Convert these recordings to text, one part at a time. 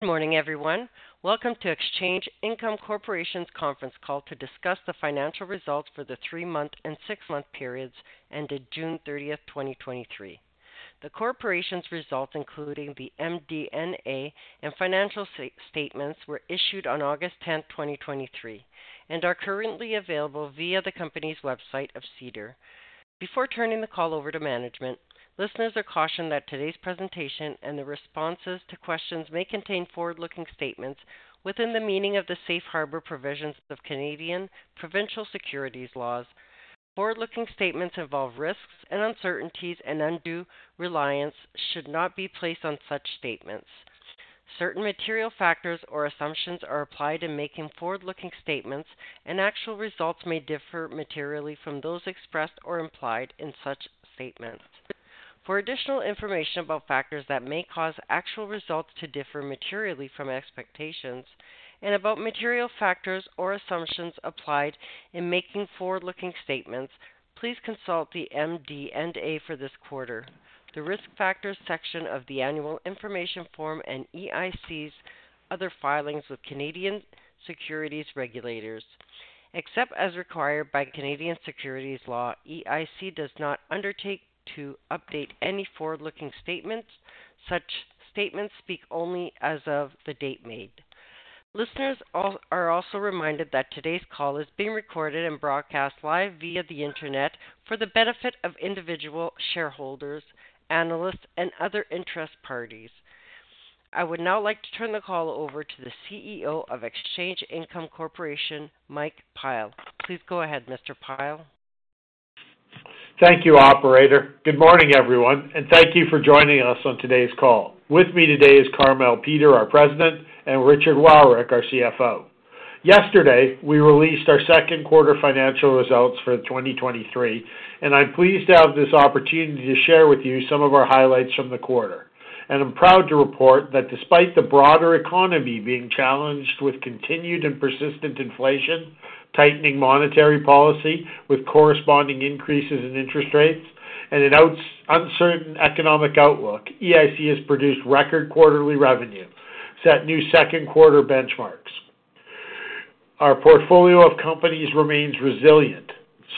Good morning, everyone. Welcome to Exchange Income Corporation's conference call to discuss the financial results for the 3-month and 6-month periods ended June 30th, 2023. The Corporation's results, including the MD&A and financial statements, were issued on August 10th, 2023, and are currently available via the company's website of SEDAR. Before turning the call over to management, listeners are cautioned that today's presentation and the responses to questions may contain forward-looking statements within the meaning of the safe harbor provisions of Canadian provincial securities laws. Forward-looking statements involve risks and uncertainties and undue reliance should not be placed on such statements. Certain material factors or assumptions are applied in making forward-looking statements, and actual results may differ materially from those expressed or implied in such statements. For additional information about factors that may cause actual results to differ materially from expectations and about material factors or assumptions applied in making forward-looking statements, please consult the MD&A for this quarter, the Risk Factors section of the Annual Information Form, and EIC's other filings with Canadian securities regulators. Except as required by Canadian securities law, EIC does not undertake to update any forward-looking statements. Such statements speak only as of the date made. Listeners are also reminded that today's call is being recorded and broadcast live via the Internet for the benefit of individual shareholders, analysts, and other interest parties. I would now like to turn the call over to the CEO of Exchange Income Corporation, Mike Pyle. Please go ahead, Mr. Pyle. Thank you, operator. Good morning, everyone, and thank you for joining us on today's call. With me today is Carmele Peter, our President, and Richard Wowryk, our CFO. Yesterday, we released our second quarter financial results for 2023. I'm pleased to have this opportunity to share with you some of our highlights from the quarter. I'm proud to report that despite the broader economy being challenged with continued and persistent inflation, tightening monetary policy with corresponding increases in interest rates and an uncertain economic outlook, EIC has produced record quarterly revenue, set new second-quarter benchmarks. Our portfolio of companies remains resilient.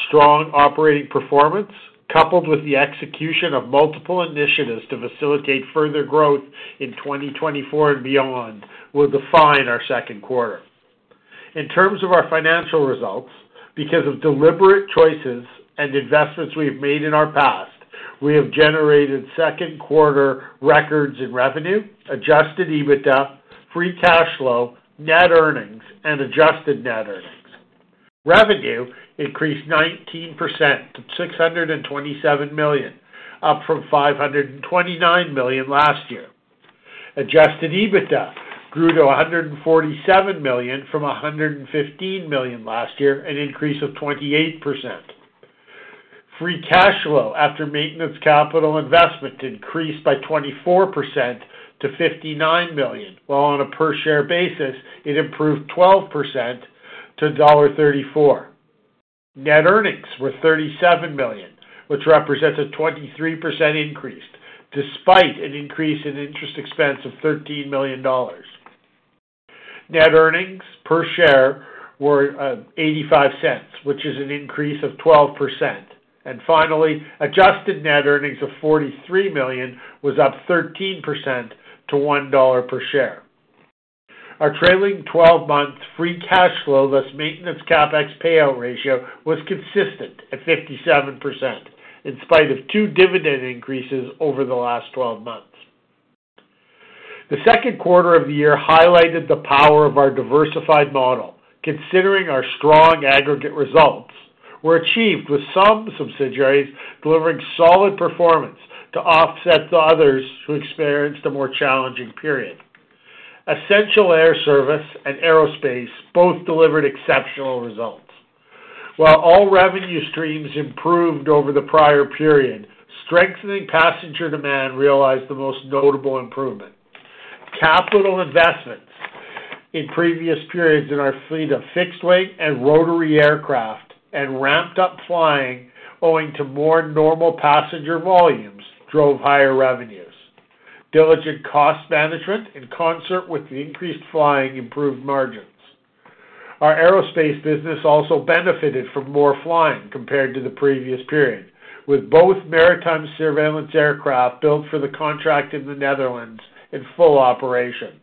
Strong operating performance, coupled with the execution of multiple initiatives to facilitate further growth in 2024 and beyond, will define our second quarter. In terms of our financial results, because of deliberate choices and investments we have made in our past, we have generated second-quarter records in revenue, adjusted EBITDA, free cash flow, net earnings, and adjusted net earnings. Revenue increased 19% to 627 million, up from 529 million last year. Adjusted EBITDA grew to 147 million from 115 million last year, an increase of 28%. Free cash flow after maintenance capital investment increased by 24% to 59 million, while on a per-share basis, it improved 12% to dollar 1.34. Net earnings were 37 million, which represents a 23% increase, despite an increase in interest expense of 13 million dollars. Net earnings per share were 0.85, which is an increase of 12%. Finally, adjusted net earnings of 43 million was up 13% to 1 dollar per share. Our trailing-12-month free cash flow, plus maintenance CapEx payout ratio, was consistent at 57%, in spite of 2 dividend increases over the last 12 months. The second quarter of the year highlighted the power of our diversified model, considering our strong aggregate results were achieved with some subsidiaries delivering solid performance to offset the others who experienced a more challenging period. Essential Air Service and Aerospace both delivered exceptional results. While all revenue streams improved over the prior period, strengthening passenger demand realized the most notable improvement. Capital investments in previous periods in our fleet of fixed-wing and rotary aircraft and ramped-up flying, owing to more normal passenger volumes, drove higher revenues. Diligent cost management, in concert with the increased flying, improved margins. Our aerospace business also benefited from more flying compared to the previous period, with both maritime surveillance aircraft built for the contract in the Netherlands in full operation.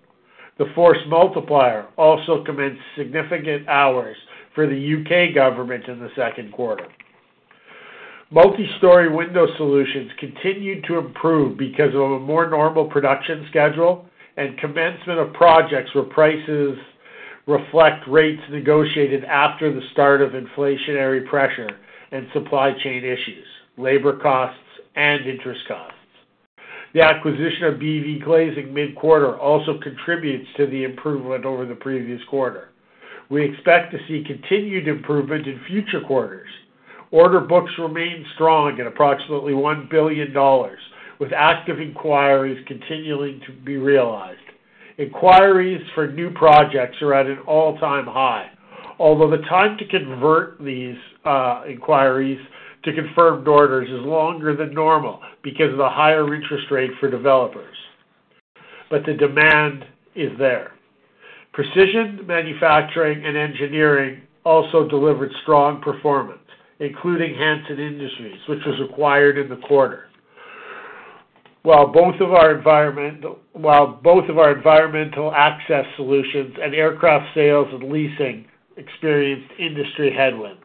The Force Multiplier also commenced significant hours for the U.K. government in the second quarter. Multi-story window solutions continued to improve because of a more normal production schedule and commencement of projects, where prices reflect rates negotiated after the start of inflationary pressure and supply chain issues, labor costs and interest costs. The acquisition of BV Glazing mid-quarter also contributes to the improvement over the previous quarter. We expect to see continued improvement in future quarters. Order books remain strong at approximately 1 billion dollars, with active inquiries continuing to be realized. Inquiries for new projects are at an all-time high.... Although the time to convert these inquiries to confirmed orders is longer than normal because of the higher interest rate for developers, but the demand is there. Precision manufacturing and engineering also delivered strong performance, including Hansen Industries, which was acquired in the quarter. While both of our environmental access solutions and aircraft sales and leasing experienced industry headwinds.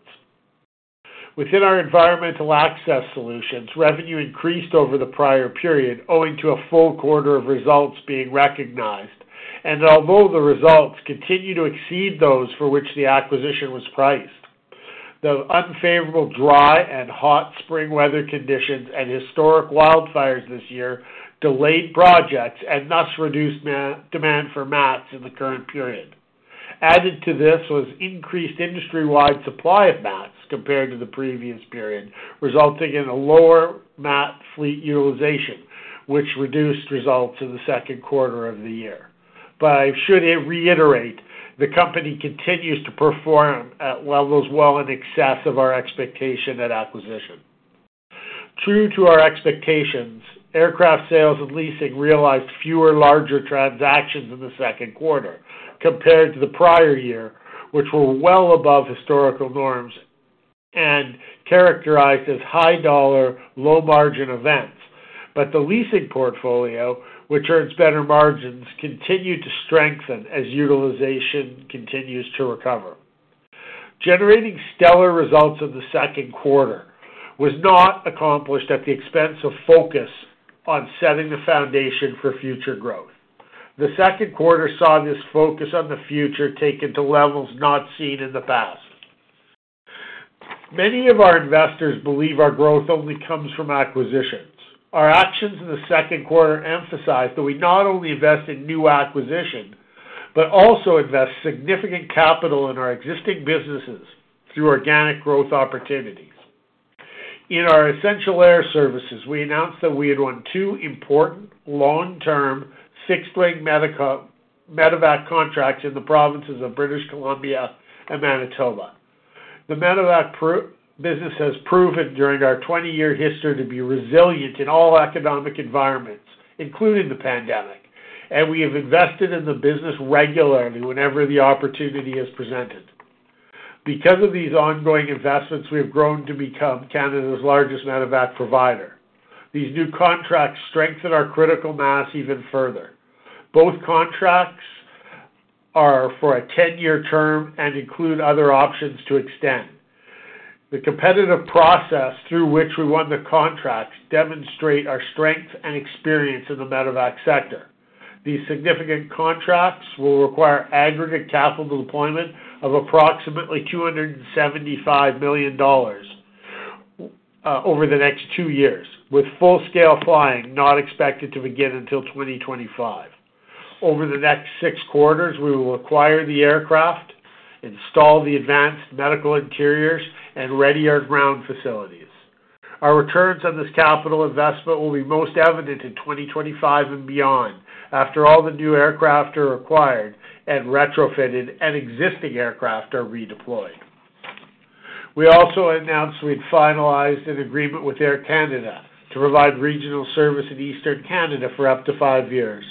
Within our environmental access solutions, revenue increased over the prior period, owing to a full quarter of results being recognized. Although the results continue to exceed those for which the acquisition was priced, the unfavorable dry and hot spring weather conditions and historic wildfires this year delayed projects and thus reduced demand for mats in the current period. Added to this was increased industry-wide supply of mats compared to the previous period, resulting in a lower mat fleet utilization, which reduced results in the second quarter of the year. I should reiterate, the company continues to perform at levels well in excess of our expectation at acquisition. True to our expectations, aircraft sales and leasing realized fewer larger transactions in the second quarter compared to the prior year, which were well above historical norms and characterized as high dollar, low margin events. The leasing portfolio, which earns better margins, continued to strengthen as utilization continues to recover. Generating stellar results in the second quarter was not accomplished at the expense of focus on setting the foundation for future growth. The second quarter saw this focus on the future taken to levels not seen in the past. Many of our investors believe our growth only comes from acquisitions. Our actions in the second quarter emphasize that we not only invest in new acquisition, but also invest significant capital in our existing businesses through organic growth opportunities. In our essential air services, we announced that we had won two important long-term, Fixed-wing medevac contracts in the provinces of British Columbia and Manitoba. The medevac business has proven during our 20-year history to be resilient in all economic environments, including the pandemic, and we have invested in the business regularly whenever the opportunity is presented. Because of these ongoing investments, we have grown to become Canada's largest medevac provider. These new contracts strengthen our critical mass even further. Both contracts are for a 10-year term and include other options to extend. The competitive process through which we won the contracts demonstrate our strength and experience in the medevac sector. These significant contracts will require aggregate capital deployment of approximately $275 million over the next 2 years, with full-scale flying not expected to begin until 2025. Over the next 6 quarters, we will acquire the aircraft, install the advanced medical interiors, and ready our ground facilities. Our returns on this capital investment will be most evident in 2025 and beyond, after all the new aircraft are acquired and retrofitted and existing aircraft are redeployed. We also announced we'd finalized an agreement with Air Canada to provide regional service in Eastern Canada for up to 5 years.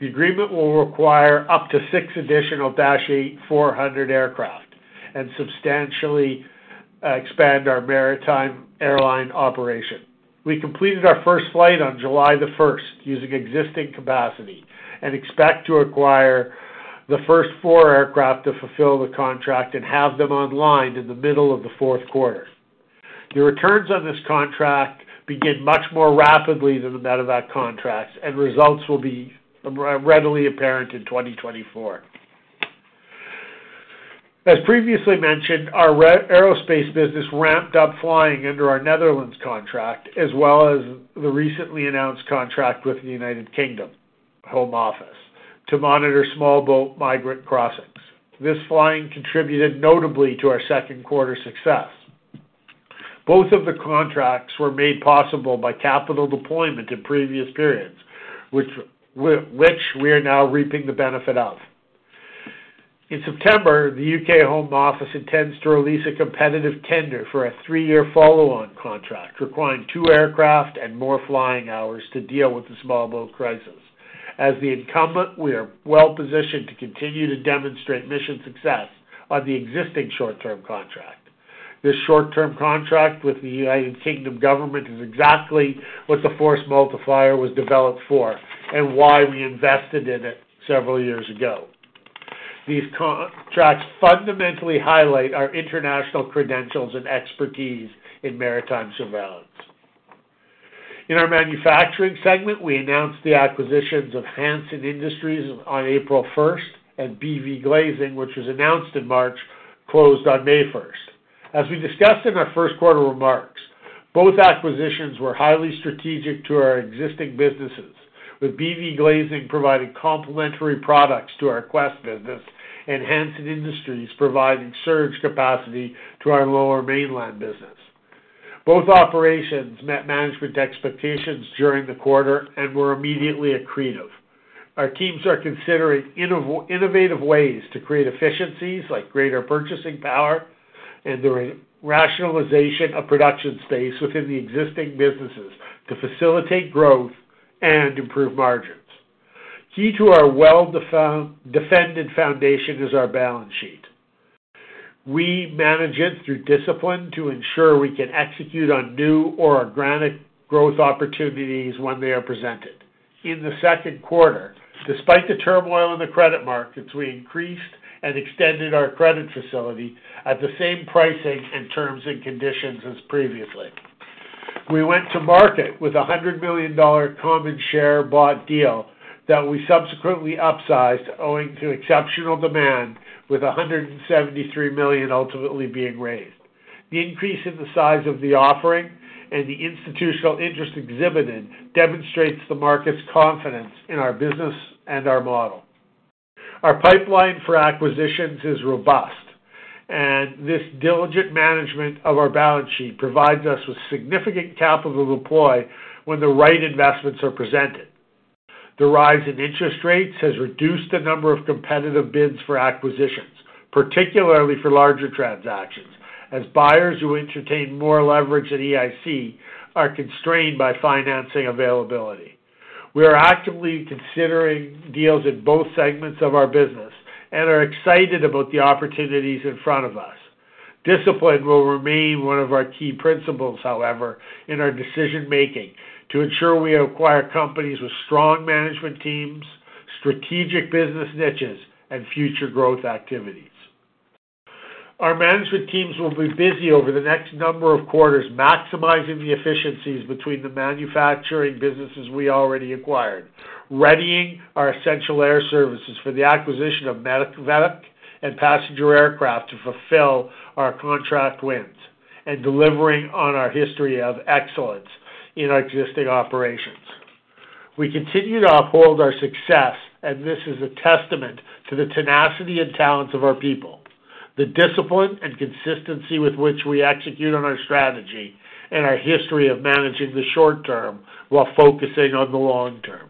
The agreement will require up to 6 additional Dash 8 Q400 aircraft and substantially expand our maritime airline operation. We completed our first flight on July 1st, using existing capacity, and expect to acquire the first 4 aircraft to fulfill the contract and have them online in the middle of the fourth quarter. The returns on this contract begin much more rapidly than the medevac contracts, and results will be readily apparent in 2024. As previously mentioned, our aerospace business ramped up flying under our Netherlands contract, as well as the recently announced contract with the United Kingdom Home Office, to monitor small boat migrant crossings. This flying contributed notably to our second quarter success. Both of the contracts were made possible by capital deployment in previous periods, which we are now reaping the benefit of. In September, the U.K. Home Office intends to release a competitive tender for a 3-year follow-on contract, requiring 2 aircraft and more flying hours to deal with the small boat crisis. As the incumbent, we are well positioned to continue to demonstrate mission success on the existing short-term contract. This short-term contract with the United Kingdom government is exactly what the Force Multiplier was developed for and why we invested in it several years ago. These contracts fundamentally highlight our international credentials and expertise in maritime surveillance. In our manufacturing segment, we announced the acquisitions of Hansen Industries on April 1st, and BV Glazing, which was announced in March, closed on May 1st. As we discussed in our first quarter remarks, both acquisitions were highly strategic to our existing businesses, with BV Glazing providing complementary products to our Quest business, and Hansen Industries providing surge capacity to our lower mainland business. Both operations met management expectations during the quarter and were immediately accretive. Our teams are considering innovative ways to create efficiencies, like greater purchasing power and the rationalization of production space within the existing businesses to facilitate growth and improve margins. Key to our well-defended foundation is our balance sheet. We manage it through discipline to ensure we can execute on new or organic growth opportunities when they are presented. In the second quarter, despite the turmoil in the credit markets, we increased and extended our credit facility at the same pricing and terms and conditions as previously. We went to market with a 100 million dollar common share bought deal that we subsequently upsized, owing to exceptional demand, with 173 million ultimately being raised. The increase in the size of the offering and the institutional interest exhibited, demonstrates the market's confidence in our business and our model. Our pipeline for acquisitions is robust, and this diligent management of our balance sheet provides us with significant capital to deploy when the right investments are presented. The rise in interest rates has reduced the number of competitive bids for acquisitions, particularly for larger transactions, as buyers who entertain more leverage than EIC are constrained by financing availability. We are actively considering deals in both segments of our business and are excited about the opportunities in front of us. Discipline will remain one of our key principles, however, in our decision-making, to ensure we acquire companies with strong management teams, strategic business niches, and future growth activities. Our management teams will be busy over the next number of quarters, maximizing the efficiencies between the manufacturing businesses we already acquired, readying our essential air services for the acquisition of medic, medevac and passenger aircraft to fulfill our contract wins, and delivering on our history of excellence in our existing operations. We continue to uphold our success, and this is a testament to the tenacity and talents of our people, the discipline and consistency with which we execute on our strategy, and our history of managing the short term while focusing on the long term.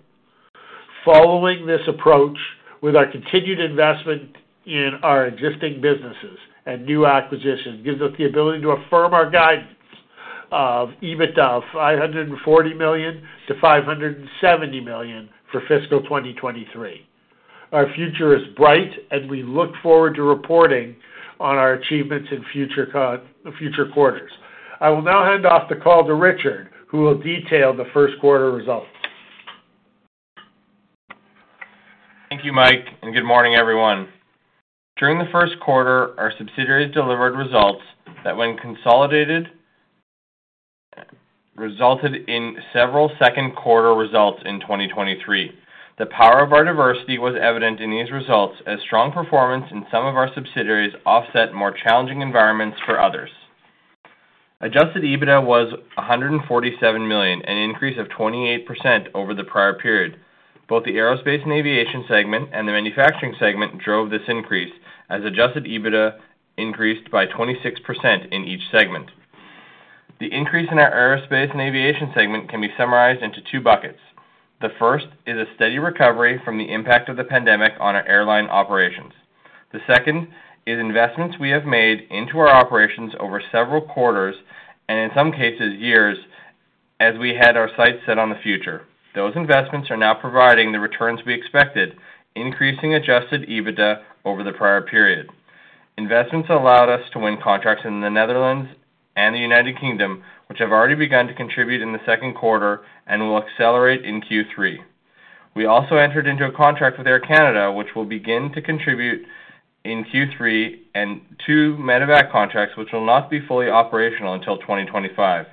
Following this approach with our continued investment in our existing businesses and new acquisitions, gives us the ability to affirm our guidance of EBITDA of 540 million-570 million for fiscal 2023. Our future is bright, and we look forward to reporting on our achievements in future quarters. I will now hand off the call to Richard, who will detail the first quarter results. Thank you, Mike, and good morning, everyone. During the first quarter, our subsidiaries delivered results that, when consolidated, resulted in several second quarter results in 2023. The power of our diversity was evident in these results, as strong performance in some of our subsidiaries offset more challenging environments for others. Adjusted EBITDA was 147 million, an increase of 28% over the prior period. Both the aerospace and aviation segment and the manufacturing segment drove this increase, as adjusted EBITDA increased by 26% in each segment. The increase in our aerospace and aviation segment can be summarized into two buckets. The first is a steady recovery from the impact of the pandemic on our airline operations. The second is investments we have made into our operations over several quarters, and in some cases, years, as we had our sights set on the future. Those investments are now providing the returns we expected, increasing adjusted EBITDA over the prior period. Investments allowed us to win contracts in the Netherlands and the United Kingdom, which have already begun to contribute in the second quarter and will accelerate in Q3. We also entered into a contract with Air Canada, which will begin to contribute in Q3, and two medevac contracts, which will not be fully operational until 2025.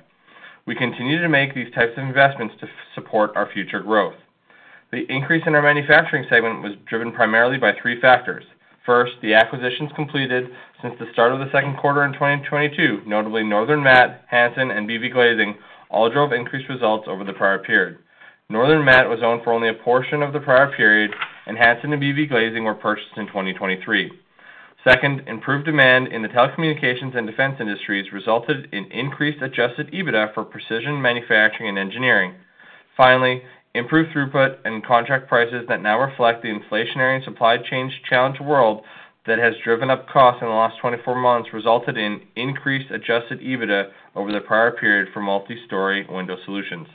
We continue to make these types of investments to support our future growth. The increase in our manufacturing segment was driven primarily by three factors. First, the acquisitions completed since the start of the second quarter in 2022, notably Northern Mat, Hansen and BV Glazing, all drove increased results over the prior period. Northern Mat was owned for only a portion of the prior period, and Hansen and BV Glazing were purchased in 2023. Second, improved demand in the telecommunications and defense industries resulted in increased adjusted EBITDA for precision manufacturing and engineering. Finally, improved throughput and contract prices that now reflect the inflationary and supply chain challenged world that has driven up costs in the last 24 months, resulted in increased adjusted EBITDA over the prior period for Multi-Story Window Solutions.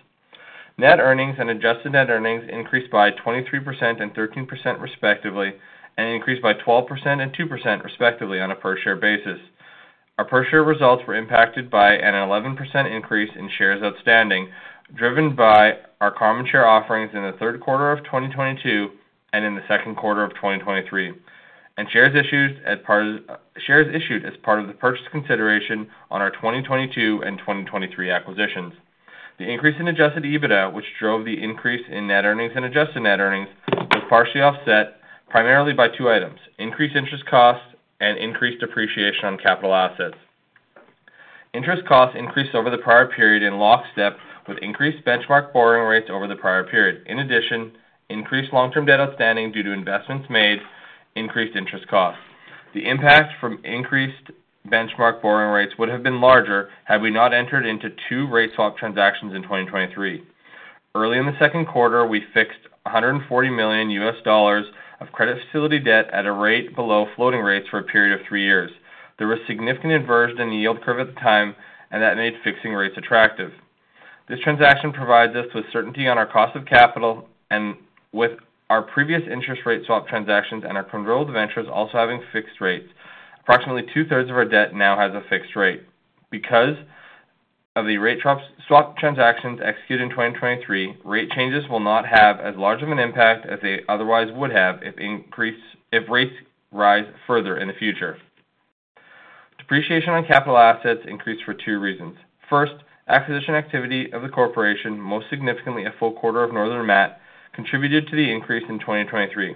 Net earnings and adjusted net earnings increased by 23% and 13%, respectively, and increased by 12% and 2%, respectively, on a per-share basis. Our per-share results were impacted by an 11% increase in shares outstanding, driven by our common share offerings in the third quarter of 2022 and in the second quarter of 2023, and shares issued as part of the purchase consideration on our 2022 and 2023 acquisitions. The increase in adjusted EBITDA, which drove the increase in net earnings and adjusted net earnings, was partially offset primarily by 2 items: increased interest costs and increased depreciation on capital assets. Interest costs increased over the prior period, in lockstep with increased benchmark borrowing rates over the prior period. In addition, increased long-term debt outstanding due to investments made increased interest costs. The impact from increased benchmark borrowing rates would have been larger had we not entered into 2 rate swap transactions in 2023. Early in the second quarter, we fixed $140 million of credit facility debt at a rate below floating rates for a period of 3 years. That made fixing rates attractive. This transaction provides us with certainty on our cost of capital and with our previous interest rate swap transactions and our controlled ventures also having fixed rates. Approximately two-thirds of our debt now has a fixed rate. Because of the rate swap transactions executed in 2023, rate changes will not have as large of an impact as they otherwise would have, if rates rise further in the future. Depreciation on capital assets increased for two reasons. First, acquisition activity of the corporation, most significantly, a full quarter of Northern Mat, contributed to the increase in 2023.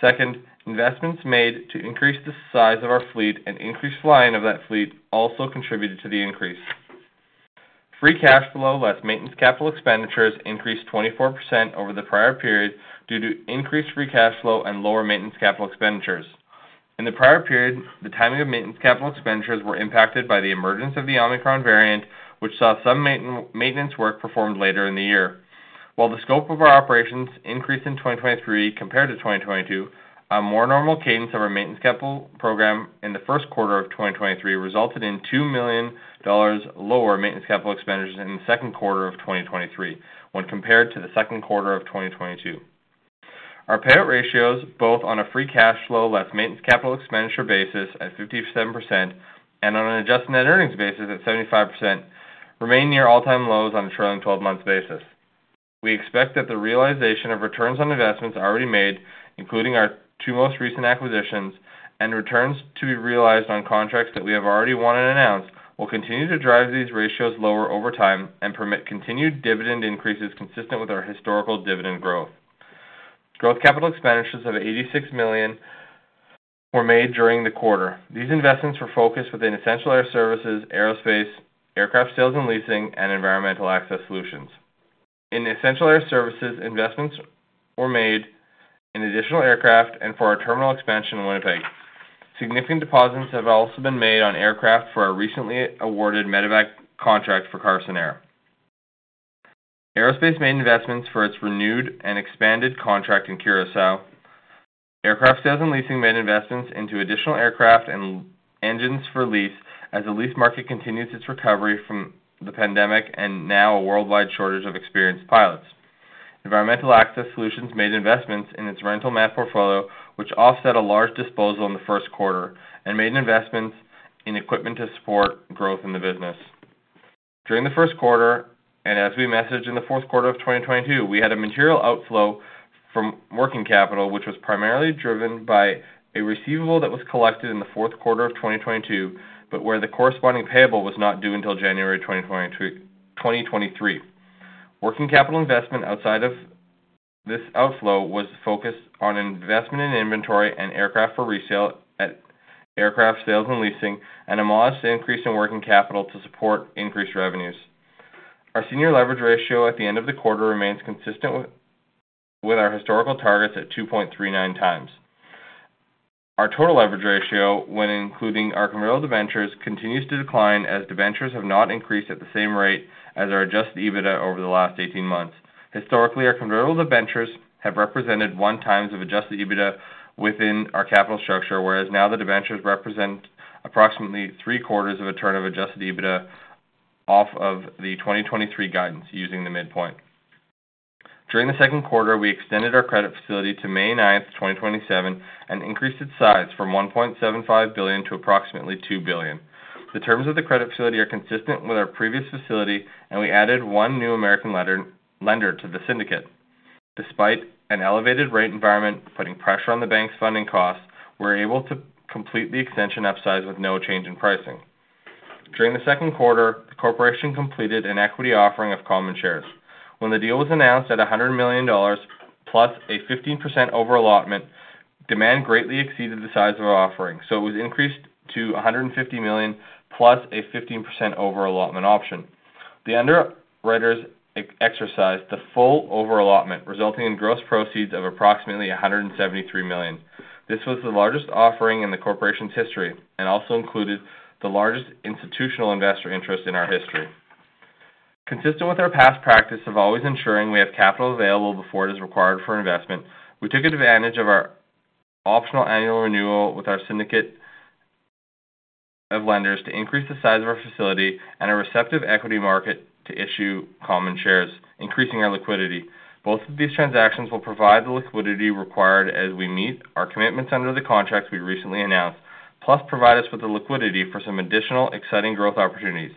Second, investments made to increase the size of our fleet and increase flying of that fleet also contributed to the increase. Free cash flow, less maintenance capital expenditures, increased 24% over the prior period due to increased free cash flow and lower maintenance capital expenditures. In the prior period, the timing of maintenance capital expenditures were impacted by the emergence of the Omicron variant, which saw some maintenance work performed later in the year. While the scope of our operations increased in 2023 compared to 2022, a more normal cadence of our maintenance capital program in the first quarter of 2023 resulted in 2 million dollars lower maintenance capital expenditures in the second quarter of 2023, when compared to the second quarter of 2022. Our payout ratios, both on a free cash flow less maintenance capital expenditure basis at 57% and on an adjusted net earnings basis at 75%, remain near all-time lows on a trailing 12-month basis. We expect that the realization of returns on investments already made, including our two most recent acquisitions and returns to be realized on contracts that we have already won and announced, will continue to drive these ratios lower over time and permit continued dividend increases consistent with our historical dividend growth. Growth capital expenditures of $86 million were made during the quarter. These investments were focused within essential air services, aerospace, aircraft sales and leasing, and environmental access solutions. In essential air services, investments were made in additional aircraft and for our terminal expansion in Winnipeg. Significant deposits have also been made on aircraft for our recently awarded Medevac contract for Carson Air. Aerospace made investments for its renewed and expanded contract in Curaçao. Aircraft sales and leasing made investments into additional aircraft and engines for lease as the lease market continues its recovery from the pandemic and now a worldwide shortage of experienced pilots. Environmental Access Solutions made investments in its rental mat portfolio, which offset a large disposal in the first quarter, and made investments in equipment to support growth in the business. During the first quarter, as we messaged in the fourth quarter of 2022, we had a material outflow from working capital, which was primarily driven by a receivable that was collected in the fourth quarter of 2022, but where the corresponding payable was not due until January 2023. Working capital investment outside of this outflow was focused on investment in inventory and aircraft for resale at aircraft sales and leasing, and a modest increase in working capital to support increased revenues. Our senior leverage ratio at the end of the quarter remains consistent with our historical targets at 2.39x. Our total leverage ratio, when including our convertible debentures, continues to decline as debentures have not increased at the same rate as our adjusted EBITDA over the last 18 months. Historically, our convertible debentures have represented 1x of adjusted EBITDA within our capital structure, whereas now the debentures represent approximately 0.75x of adjusted EBITDA off of the 2023 guidance using the midpoint. During the second quarter, we extended our credit facility to May 9, 2027, and increased its size from 1.75 billion to approximately 2 billion. The terms of the credit facility are consistent with our previous facility, we added 1 new American lender to the syndicate. Despite an elevated rate environment putting pressure on the bank's funding costs, we're able to complete the extension upsize with no change in pricing. During the second quarter, the corporation completed an equity offering of common shares. When the deal was announced at 100 million dollars plus a 15% over allotment, demand greatly exceeded the size of our offering, so it was increased to 150 million plus a 15% over allotment option. The underwriters exercised the full over allotment, resulting in gross proceeds of approximately 173 million. This was the largest offering in the corporation's history and also included the largest institutional investor interest in our history. Consistent with our past practice of always ensuring we have capital available before it is required for investment, we took advantage of our optional annual renewal with our syndicate of lenders to increase the size of our facility and a receptive equity market to issue common shares, increasing our liquidity. Both of these transactions will provide the liquidity required as we meet our commitments under the contracts we recently announced, plus provide us with the liquidity for some additional exciting growth opportunities,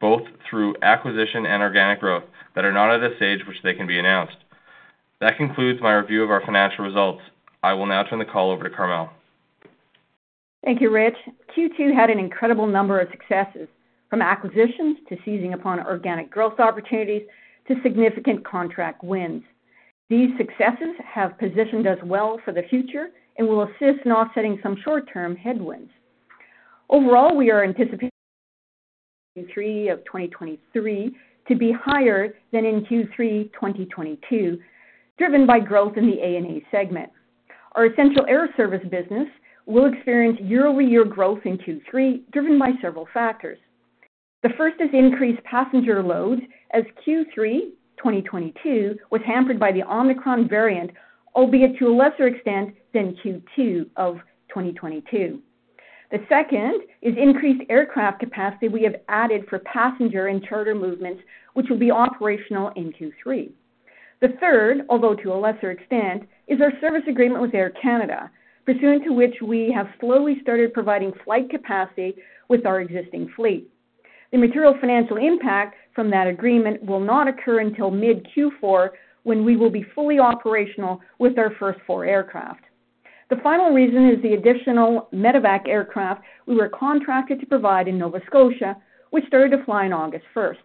both through acquisition and organic growth that are not at a stage which they can be announced. That concludes my review of our financial results. I will now turn the call over to Carmele. Thank you, Rich. Q2 had an incredible number of successes, from acquisitions to seizing upon organic growth opportunities to significant contract wins. These successes have positioned us well for the future and will assist in offsetting some short-term headwinds. Overall, we are anticipating in Q3 of 2023 to be higher than in Q3 2022, driven by growth in the A&A segment. Our essential air service business will experience year-over-year growth in Q3, driven by several factors. The first is increased passenger load, as Q3 2022 was hampered by the Omicron variant, albeit to a lesser extent than Q2 of 2022. The second is increased aircraft capacity we have added for passenger and charter movements, which will be operational in Q3. The third, although to a lesser extent, is our service agreement with Air Canada, pursuant to which we have slowly started providing flight capacity with our existing fleet. The material financial impact from that agreement will not occur until mid Q4, when we will be fully operational with our first 4 aircraft. The final reason is the additional medevac aircraft we were contracted to provide in Nova Scotia, which started to fly on August 1st.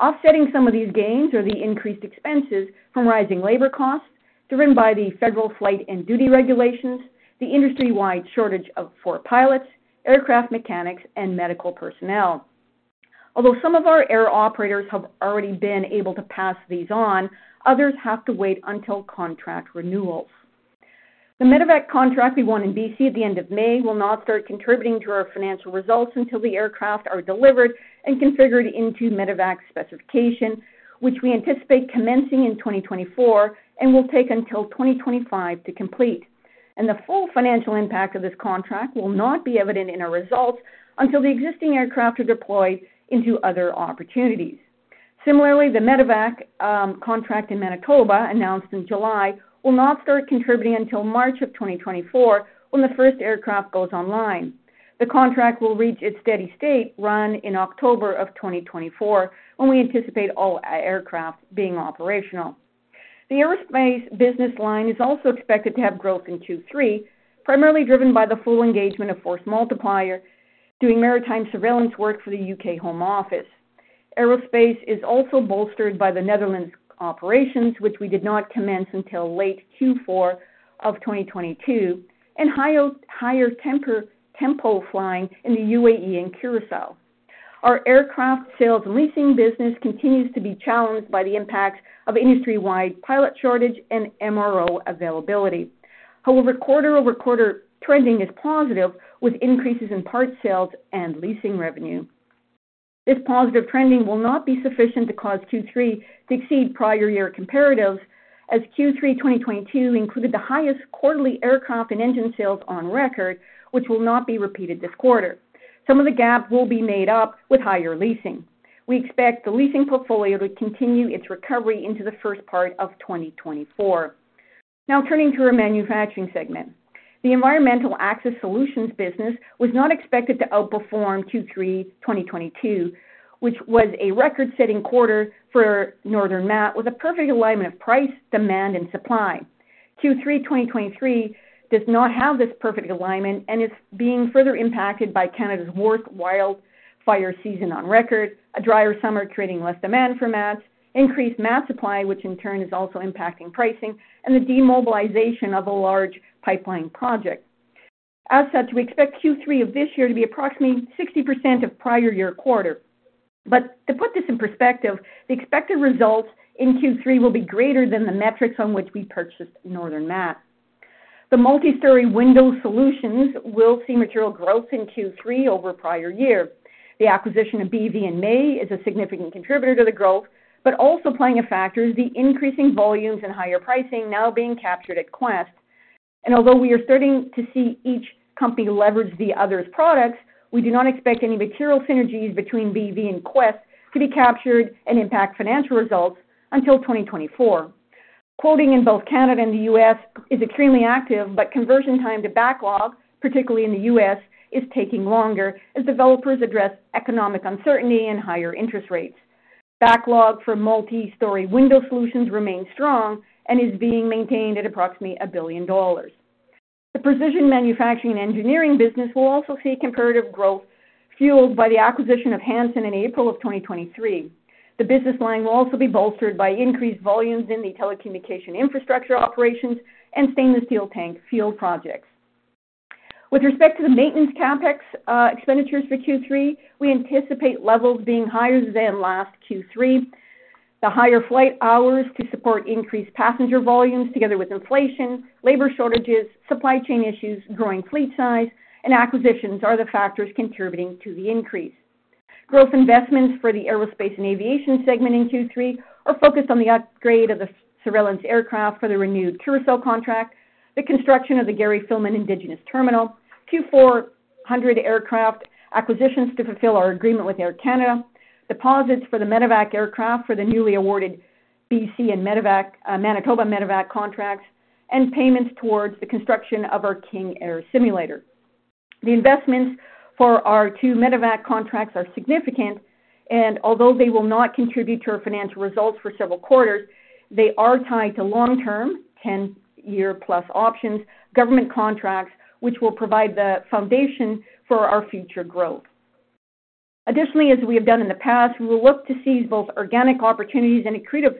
Offsetting some of these gains are the increased expenses from rising labor costs driven by the federal flight and duty regulations, the industry-wide shortage of 4 pilots, aircraft mechanics, and medical personnel. Some of our air operators have already been able to pass these on, others have to wait until contract renewals. The medevac contract we won in BC at the end of May will not start contributing to our financial results until the aircraft are delivered and configured into medevac specification, which we anticipate commencing in 2024 and will take until 2025 to complete. The full financial impact of this contract will not be evident in our results until the existing aircraft are deployed into other opportunities. Similarly, the medevac contract in Manitoba, announced in July, will not start contributing until March of 2024, when the first aircraft goes online. The contract will reach its steady state run in October of 2024, when we anticipate all our aircraft being operational. The aerospace business line is also expected to have growth in Q3, primarily driven by the full engagement of Force Multiplier, doing maritime surveillance work for the U.K. Home Office. Aerospace is also bolstered by the Netherlands operations, which we did not commence until late Q4 of 2022, and higher tempo flying in the UAE and Curaçao. Our aircraft sales leasing business continues to be challenged by the impacts of industry-wide pilot shortage and MRO availability. However, quarter-over-quarter trending is positive, with increases in parts sales and leasing revenue. This positive trending will not be sufficient to cause Q3 to exceed prior year comparatives, as Q3 2022 included the highest quarterly aircraft and engine sales on record, which will not be repeated this quarter. Some of the gap will be made up with higher leasing. We expect the leasing portfolio to continue its recovery into the first part of 2024. Turning to our manufacturing segment. The Environmental Access Solutions business was not expected to outperform Q3 2022, which was a record-setting quarter for Northern Mat, with a perfect alignment of price, demand, and supply. Q3 2023 does not have this perfect alignment and is being further impacted by Canada's worst wildfire season on record, a drier summer creating less demand for mats, increased mat supply, which in turn is also impacting pricing, and the demobilization of a large pipeline project. As such, we expect Q3 of this year to be approximately 60% of prior year quarter. To put this in perspective, the expected results in Q3 will be greater than the metrics on which we purchased Northern Mat. The multi-storey window solutions will see material growth in Q3 over prior year. The acquisition of BV in May is a significant contributor to the growth, but also playing a factor is the increasing volumes and higher pricing now being captured at Quest. Although we are starting to see each company leverage the other's products, we do not expect any material synergies between BV and Quest to be captured and impact financial results until 2024. Quoting in both Canada and the U.S. is extremely active, but conversion time to backlog, particularly in the U.S., is taking longer as developers address economic uncertainty and higher interest rates. Backlog for multi-story window solutions remains strong and is being maintained at approximately 1 billion dollars. The precision manufacturing engineering business will also see comparative growth, fueled by the acquisition of Hansen in April 2023. The business line will also be bolstered by increased volumes in the telecommunication infrastructure operations and stainless steel tank field projects. With respect to the maintenance CapEx expenditures for Q3, we anticipate levels being higher than last Q3. The higher flight hours to support increased passenger volumes together with inflation, labor shortages, supply chain issues, growing fleet size, and acquisitions are the factors contributing to the increase. Growth investments for the Aerospace and Aviation segment in Q3 are focused on the upgrade of the surveillance aircraft for the renewed Curaçao contract, the construction of the Gary Filmon Indigenous Terminal, two 400 aircraft acquisitions to fulfill our agreement with Air Canada, deposits for the medevac aircraft for the newly awarded BC and medevac, Manitoba medevac contracts, and payments towards the construction of our King Air simulator. The investments for our two medevac contracts are significant, and although they will not contribute to our financial results for several quarters, they are tied to long-term, 10-year-plus options, government contracts, which will provide the foundation for our future growth. Additionally, as we have done in the past, we will look to seize both organic opportunities and accretive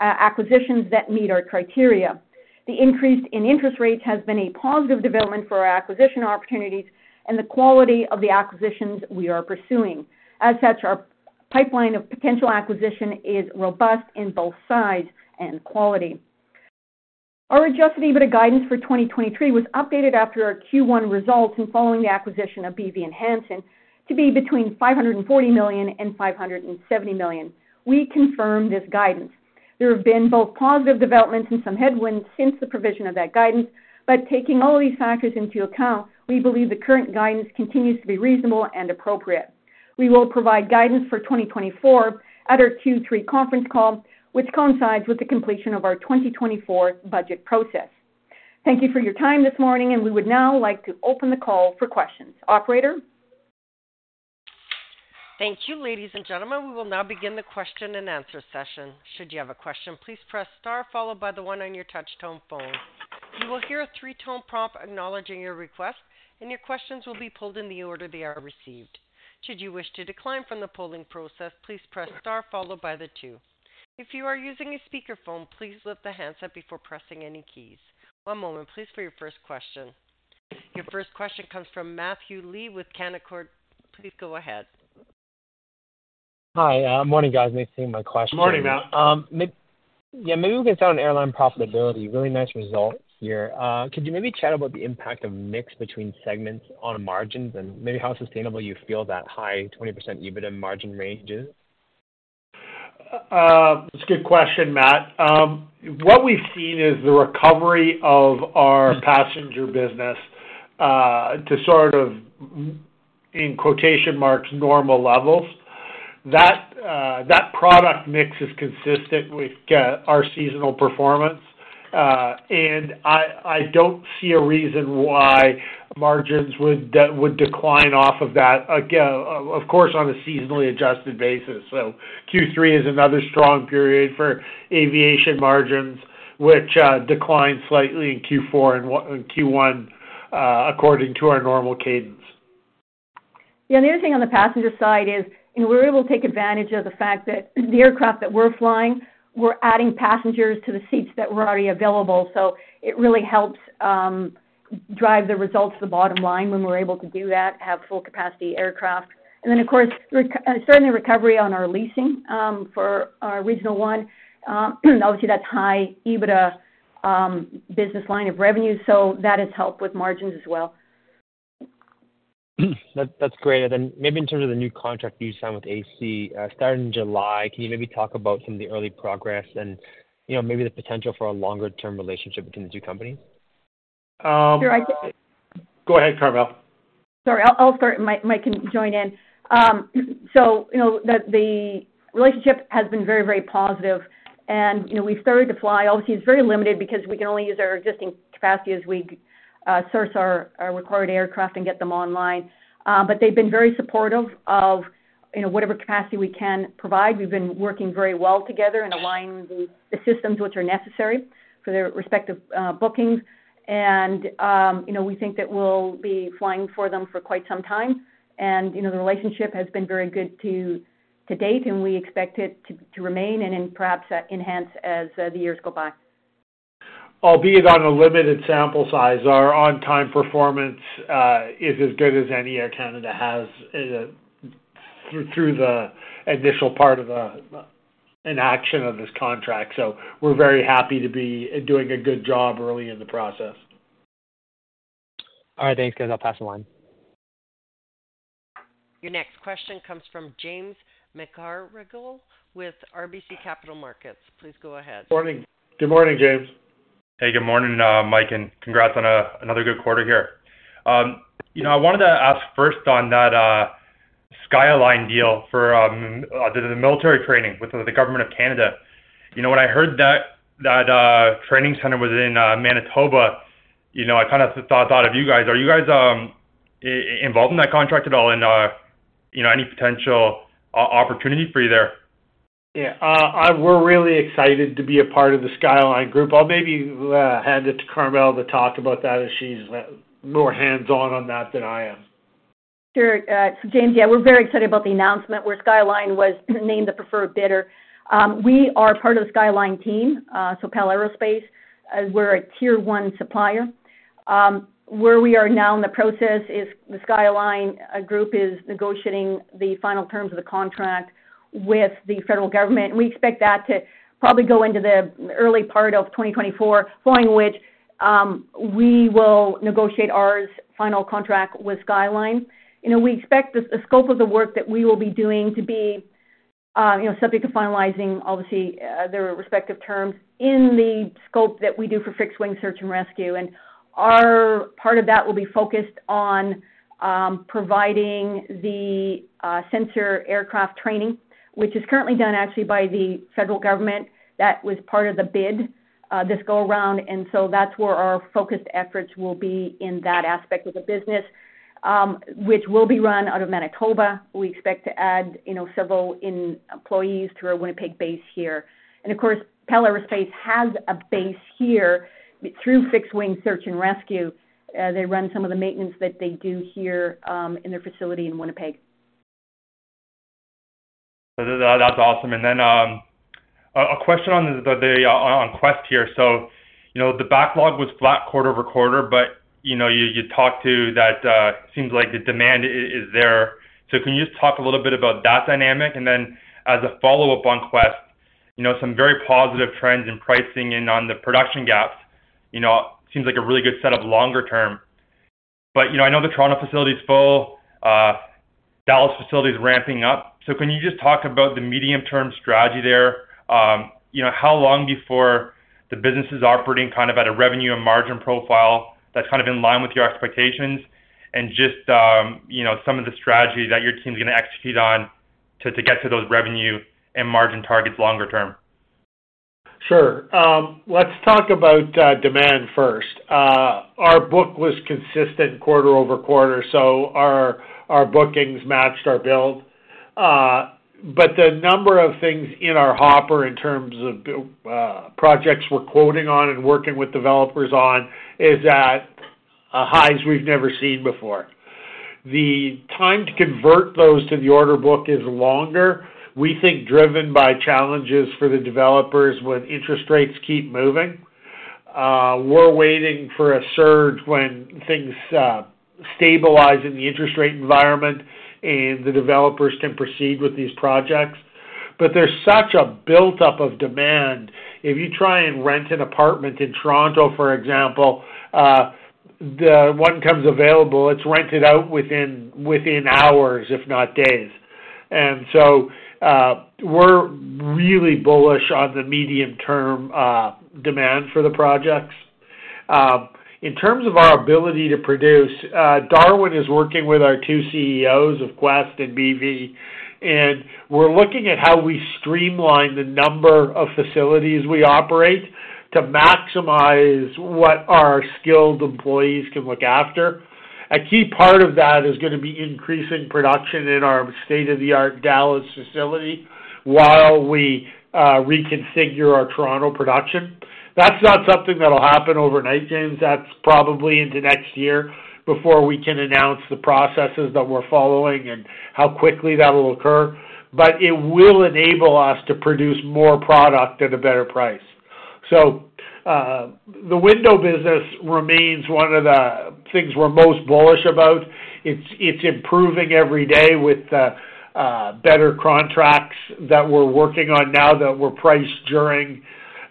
acquisitions that meet our criteria. The increase in interest rates has been a positive development for our acquisition opportunities and the quality of the acquisitions we are pursuing. As such, our pipeline of potential acquisition is robust in both size and quality. Our adjusted EBITDA guidance for 2023 was updated after our Q1 results and following the acquisition of BV and Hansen, to be between 540 million and 570 million. We confirm this guidance. There have been both positive developments and some headwinds since the provision of that guidance, but taking all of these factors into account, we believe the current guidance continues to be reasonable and appropriate. We will provide guidance for 2024 at our Q3 conference call, which coincides with the completion of our 2024 budget process. Thank you for your time this morning, and we would now like to open the call for questions. Operator? Thank you, ladies and gentlemen. We will now begin the question and answer session. Should you have a question, please press star followed by the on on your touchtone phone. You will hear a 3-tone prompt acknowledging your request, and your questions will be pulled in the order they are received. Should you wish to decline from the polling process, please press star followed by the two. If you are using a speakerphone, please lift the handset before pressing any keys. One moment, please, for your first question. Your first question comes from Matthew Lee with Canaccord. Please go ahead. Hi. Morning, guys. Thanks for taking my question. Morning, Matt. Yeah, maybe we can start on airline profitability. Really nice results here. Could you maybe chat about the impact of mix between segments on margins and maybe how sustainable you feel that high 20% EBITDA margin range is? It's a good question, Matt. What we've seen is the recovery of our passenger business, to sort of, in quotation marks, "normal levels." That product mix is consistent with our seasonal performance. I, I don't see a reason why margins would decline off of that, again, of course, on a seasonally adjusted basis. Q3 is another strong period for aviation margins, which decline slightly in Q4 and Q1, according to our normal cadence. Yeah, the other thing on the passenger side is, you know, we're able to take advantage of the fact that the aircraft that we're flying, we're adding passengers to the seats that were already available. It really helps drive the results to the bottom line when we're able to do that, have full capacity aircraft. Of course, certainly recovery on our leasing for our Regional One. Obviously, that's high EBITDA business line of revenue, so that has helped with margins as well. That, that's great. Then maybe in terms of the new contract you signed with AC, starting in July, can you maybe talk about some of the early progress and, you know, maybe the potential for a longer-term relationship between the two companies? Um- Sure, I Go ahead, Carmele. Sorry, I'll, I'll start, and Mike can join in. you know, the, the relationship has been very, very positive, and, you know, we've started to fly. Obviously, it's very limited because we can only use our existing capacity as we source our, our required aircraft and get them online. They've been very supportive of, you know, whatever capacity we can provide. We've been working very well together and aligning the, the systems which are necessary for their respective bookings. you know, we think that we'll be flying for them for quite some time. you know, the relationship has been very good to, to date, and we expect it to, to remain and then perhaps enhance as the years go by. Albeit on a limited sample size, our on-time performance is as good as any Air Canada has through, through the initial part of the inaction of this contract. We're very happy to be doing a good job early in the process. All right, thanks, guys. I'll pass the line. Your next question comes from James McGarragle with RBC Capital Markets. Please go ahead. Morning. Good morning, James. Hey, good morning, Mike, and congrats on another good quarter here. You know, I wanted to ask first on that SkyAlyne deal for the military training with the Government of Canada. You know, when I heard that, that training center was in Manitoba, you know, I kind of thought, thought of you guys. Are you guys involved in that contract at all and, you know, any potential opportunity for you there? Yeah, I, we're really excited to be a part of the SkyAlyne group. I'll maybe hand it to Carmele to talk about that, as she's more hands-on on that than I am. Sure. James, yeah, we're very excited about the announcement where SkyAlyne was named the preferred bidder. We are part of the SkyAlyne team, PAL Aerospace, we're a tier one supplier. Where we are now in the process is the SkyAlyne group is negotiating the final terms of the contract with the federal government. We expect that to probably go into the early part of 2024, following which, we will negotiate ours final contract with SkyAlyne. You know, we expect the scope of the work that we will be doing to be, you know, subject to finalizing, obviously, their respective terms in the scope that we do for fixed-wing search and rescue, and our part of that will be focused on providing the sensor aircraft training, which is currently done actually by the federal government. That was part of the bid, this go around, and so that's where our focused efforts will be in that aspect of the business, which will be run out of Manitoba. We expect to add, you know, several employees to our Winnipeg base here. Of course, PAL Aerospace has a base here through fixed-wing search and rescue. They run some of the maintenance that they do here, in their facility in Winnipeg. That's awesome. A question on the on Quest here. You know, the backlog was flat quarter-over-quarter, but, you know, you talked to that, seems like the demand is there. Can you just talk a little bit about that dynamic? As a follow-up on Quest, you know, some very positive trends in pricing and on the production gaps, you know, seems like a really good set of longer term. You know, I know the Toronto facility is full, Dallas facility is ramping up. Can you just talk about the medium-term strategy there? You know, how long before the business is operating kind of at a revenue and margin profile that's kind of in line with your expectations? Just, you know, some of the strategies that your team's gonna execute on to, to get to those revenue and margin targets longer term. Sure. Let's talk about demand first. Our book was consistent quarter-over-quarter, so our, our bookings matched our build. The number of things in our hopper in terms of projects we're quoting on and working with developers on, is at highs we've never seen before. The time to convert those to the order book is longer, we think, driven by challenges for the developers when interest rates keep moving. We're waiting for a surge when things stabilize in the interest rate environment and the developers can proceed with these projects. There's such a built-up of demand. If you try and rent an apartment in Toronto, for example, the 1 comes available, it's rented out within, within hours, if not days. We're really bullish on the medium-term demand for the projects. In terms of our ability to produce, Darwin is working with our two CEOs of Quest and BV, we're looking at how we streamline the number of facilities we operate to maximize what our skilled employees can look after. A key part of that is gonna be increasing production in our state-of-the-art Dallas facility while we reconfigure our Toronto production. That's not something that'll happen overnight, James. That's probably into next year before we can announce the processes that we're following and how quickly that will occur. It will enable us to produce more product at a better price. The window business remains one of the things we're most bullish about. It's, it's improving every day with better contracts that we're working on now that were priced during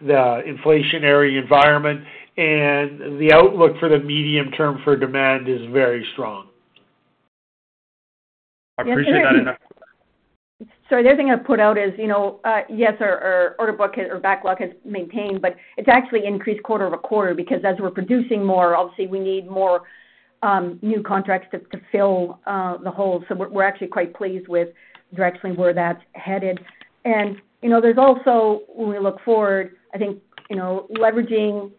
the inflationary environment, and the outlook for the medium term for demand is very strong. I appreciate that. Sorry, the other thing I'd put out is, you know, yes, our order book or backlog has maintained, it's actually increased quarter-over-quarter because as we're producing more, obviously we need more new contracts to fill the holes. We're actually quite pleased with directly where that's headed. You know, there's also, when we look forward, I think, you know, leveraging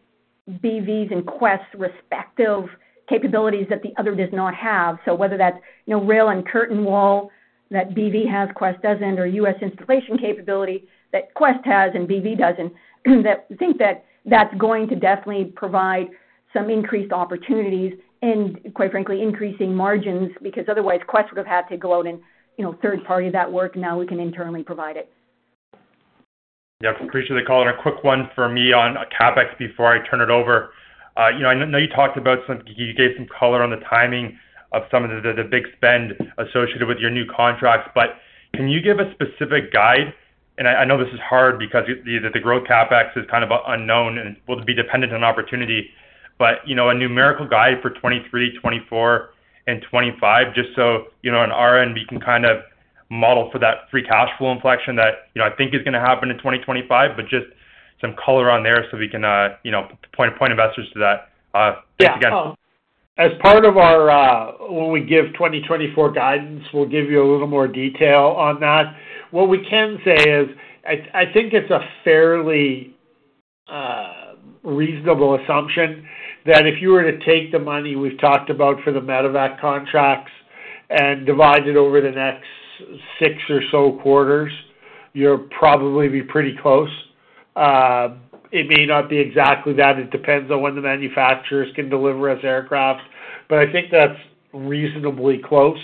BVs and Quest respective capabilities that the other does not have. Whether that's, you know, rail and curtain wall that BVs has, Quest doesn't, or U.S. installation capability that Quest has and BVs doesn't, that we think that that's going to definitely provide some increased opportunities and, quite frankly, increasing margins, because otherwise, Quest would have had to go out and, you know, third-party that work. Now, we can internally provide it. Yeah, appreciate the call. A quick one for me on CapEx before I turn it over. you know, I know you talked about you gave some color on the timing of some of the, the big spend associated with your new contracts, but can you give a specific guide? I, I know this is hard because the, the, the growth CapEx is kind of unknown and will be dependent on opportunity, but, you know, a numerical guide for 2023, 2024, and 2025, just so, you know, on our end, we can kind of model for that free cash flow inflection that, you know, I think is gonna happen in 2025, but just some color on there so we can, you know, point, point investors to that... Yeah. As part of our, when we give 2024 guidance, we'll give you a little more detail on that. What we can say is, I, I think it's a fairly reasonable assumption that if you were to take the money we've talked about for the Medevac contracts and divide it over the next six or so quarters, you'll probably be pretty close. It may not be exactly that. It depends on when the manufacturers can deliver us aircraft, but I think that's reasonably close.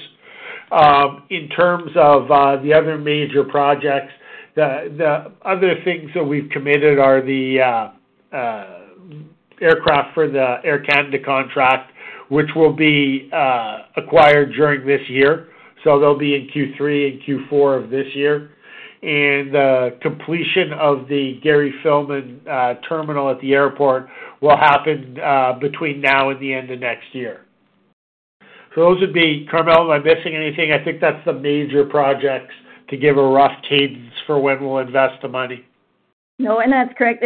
In terms of the other major projects, the, the other things that we've committed are the aircraft for the Air Canada contract, which will be acquired during this year. They'll be in Q3 and Q4 of this year. The completion of the Gary Filmon Terminal at the airport will happen between now and the end of next year. Those would be... Carmel, am I missing anything? I think that's the major projects to give a rough cadence for when we'll invest the money. No, that's correct.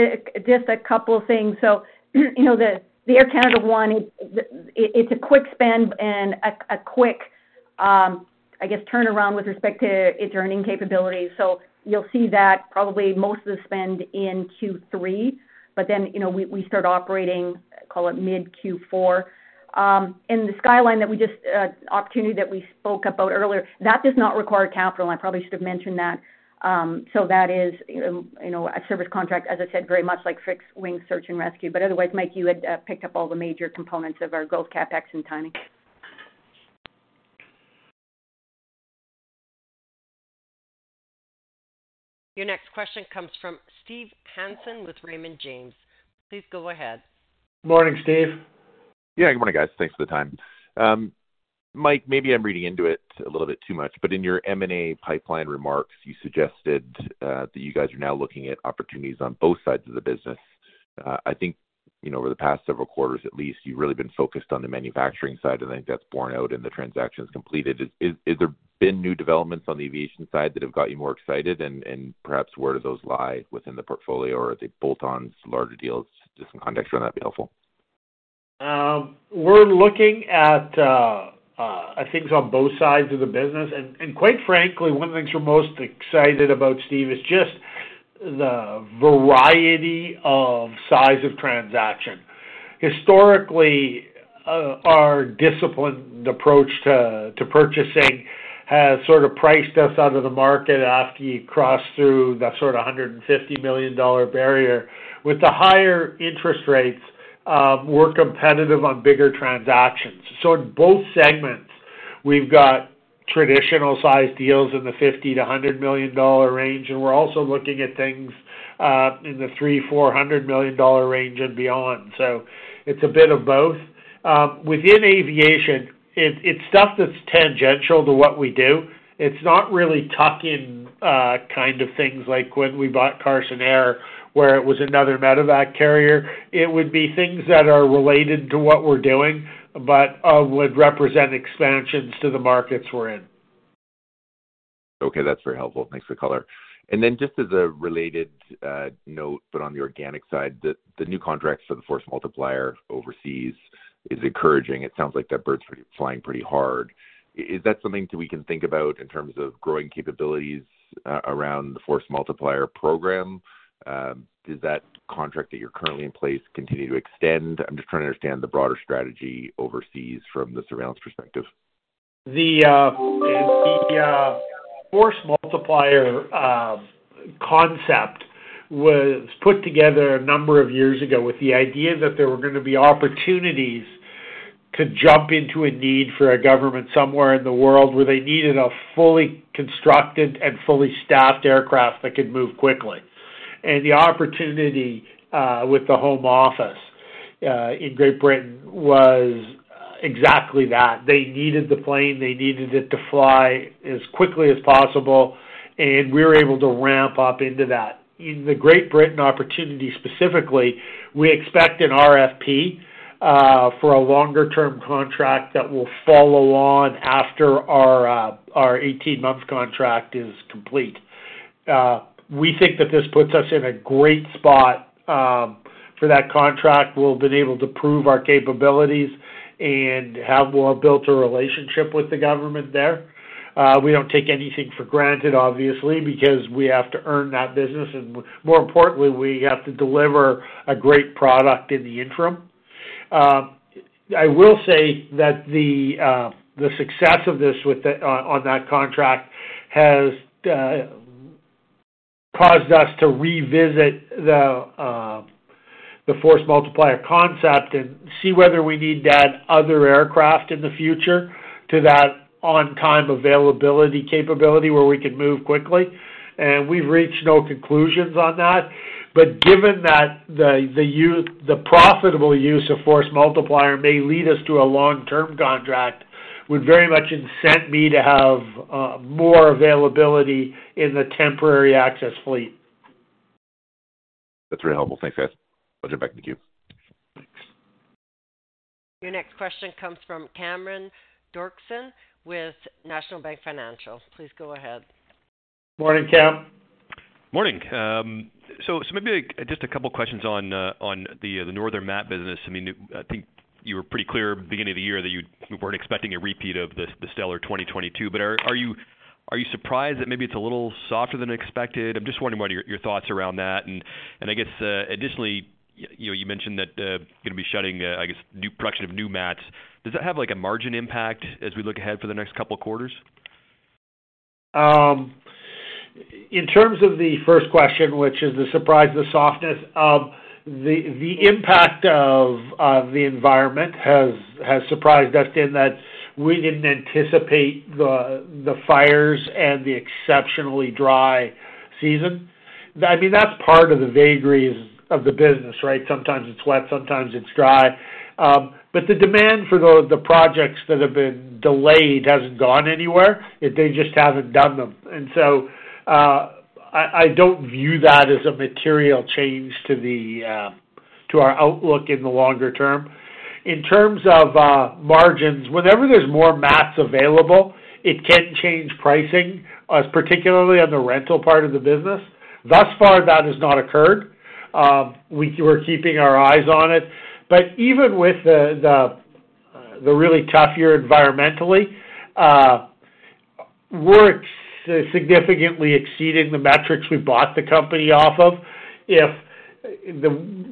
Just a couple of things. You know, the, the Air Canada one, it, it's a quick spend and a, a quick, I guess, turnaround with respect to its earning capabilities. You'll see that probably most of the spend in Q3, but then, you know, we, we start operating, call it mid-Q4. The SkyAlyne that we just opportunity that we spoke about earlier, that does not require capital. I probably should have mentioned that. That is, you know, a service contract, as I said, very much like fixed-wing search and rescue. Otherwise, Mike, you had picked up all the major components of our growth, CapEx and timing. Your next question comes from Steve Hansen with Raymond James. Please go ahead. Morning, Steve. Yeah, good morning, guys. Thanks for the time. Mike, maybe I'm reading into it a little bit too much, but in your M&A pipeline remarks, you suggested that you guys are now looking at opportunities on both sides of the business. I think, you know, over the past several quarters at least, you've really been focused on the manufacturing side, and I think that's borne out in the transactions completed. Has there been new developments on the aviation side that have got you more excited, perhaps where do those lie within the portfolio, or are they bolt-ons, larger deals? Just some context on that would be helpful. We're looking at things on both sides of the business. Quite frankly, one of the things we're most excited about, Steve, is just the variety of size of transaction. Historically, our disciplined approach to purchasing has sort of priced us out of the market after you cross through that sort of 150 million dollar barrier. With the higher interest rates, we're competitive on bigger transactions. In both segments, we've got traditional sized deals in the 50 million-100 million dollar range, and we're also looking at things in the 300 million-400 million dollar range and beyond. It's a bit of both. Within aviation, it's stuff that's tangential to what we do. It's not really tuck-in kind of things like when we bought Carson Air, where it was another medevac carrier. It would be things that are related to what we're doing, but, would represent expansions to the markets we're in. Okay, that's very helpful. Thanks for the color. Just as a related, note, but on the organic side, the, the new contracts for the Force Multiplier overseas is encouraging. It sounds like that bird's flying pretty hard. Is that something that we can think about in terms of growing capabilities, around the Force Multiplier program? Does that contract that you're currently in place continue to extend? I'm just trying to understand the broader strategy overseas from the surveillance perspective. The, the Force Multiplier concept was put together a number of years ago with the idea that there were going to be opportunities to jump into a need for a government somewhere in the world where they needed a fully constructed and fully staffed aircraft that could move quickly. The opportunity with the Home Office in Great Britain was exactly that. They needed the plane, they needed it to fly as quickly as possible, and we were able to ramp up into that. In the Great Britain opportunity specifically, we expect an RFP for a longer-term contract that will follow on after our 18-month contract is complete. We think that this puts us in a great spot for that contract. We've been able to prove our capabilities and have built a relationship with the government there. we don't take anything for granted, obviously, because we have to earn that business, and more importantly, we have to deliver a great product in the interim. I will say that the the success of this with the on that contract has caused us to revisit the the Force Multiplier concept and see whether we need to add other aircraft in the future to that on-time availability capability, where we can move quickly. We've reached no conclusions on that. Given that the, the use, the profitable use of Force Multiplier may lead us to a long-term contract, would very much incent me to have more availability in the temporary access fleet. That's very helpful. Thanks, guys. I'll get back in the queue. Thanks. Your next question comes from Cameron Doerksen with National Bank Financial. Please go ahead. Morning, Cam. Morning. So, maybe just a couple of questions on the Northern Mat business. I mean, I think you were pretty clear at the beginning of the year that you, you weren't expecting a repeat of the stellar 2022. Are, are you, are you surprised that maybe it's a little softer than expected? I'm just wondering what are your, your thoughts around that. I guess, additionally, you know, you mentioned that you're going to be shutting, I guess, new production of new mats. Does that have, like, a margin impact as we look ahead for the next couple of quarters? In terms of the first question, which is the surprise, the softness, the, the impact of the environment has, has surprised us in that we didn't anticipate the, the fires and the exceptionally dry season. I mean, that's part of the vagaries of the business, right? Sometimes it's wet, sometimes it's dry. The demand for the, the projects that have been delayed hasn't gone anywhere. They just haven't done them. I, I don't view that as a material change to the to our outlook in the longer term. In terms of margins, whenever there's more mats available, it can change pricing, particularly on the rental part of the business. Thus far, that has not occurred. We're keeping our eyes on it, but even with the, the, the really tough year environmentally, we're significantly exceeding the metrics we bought the company off of.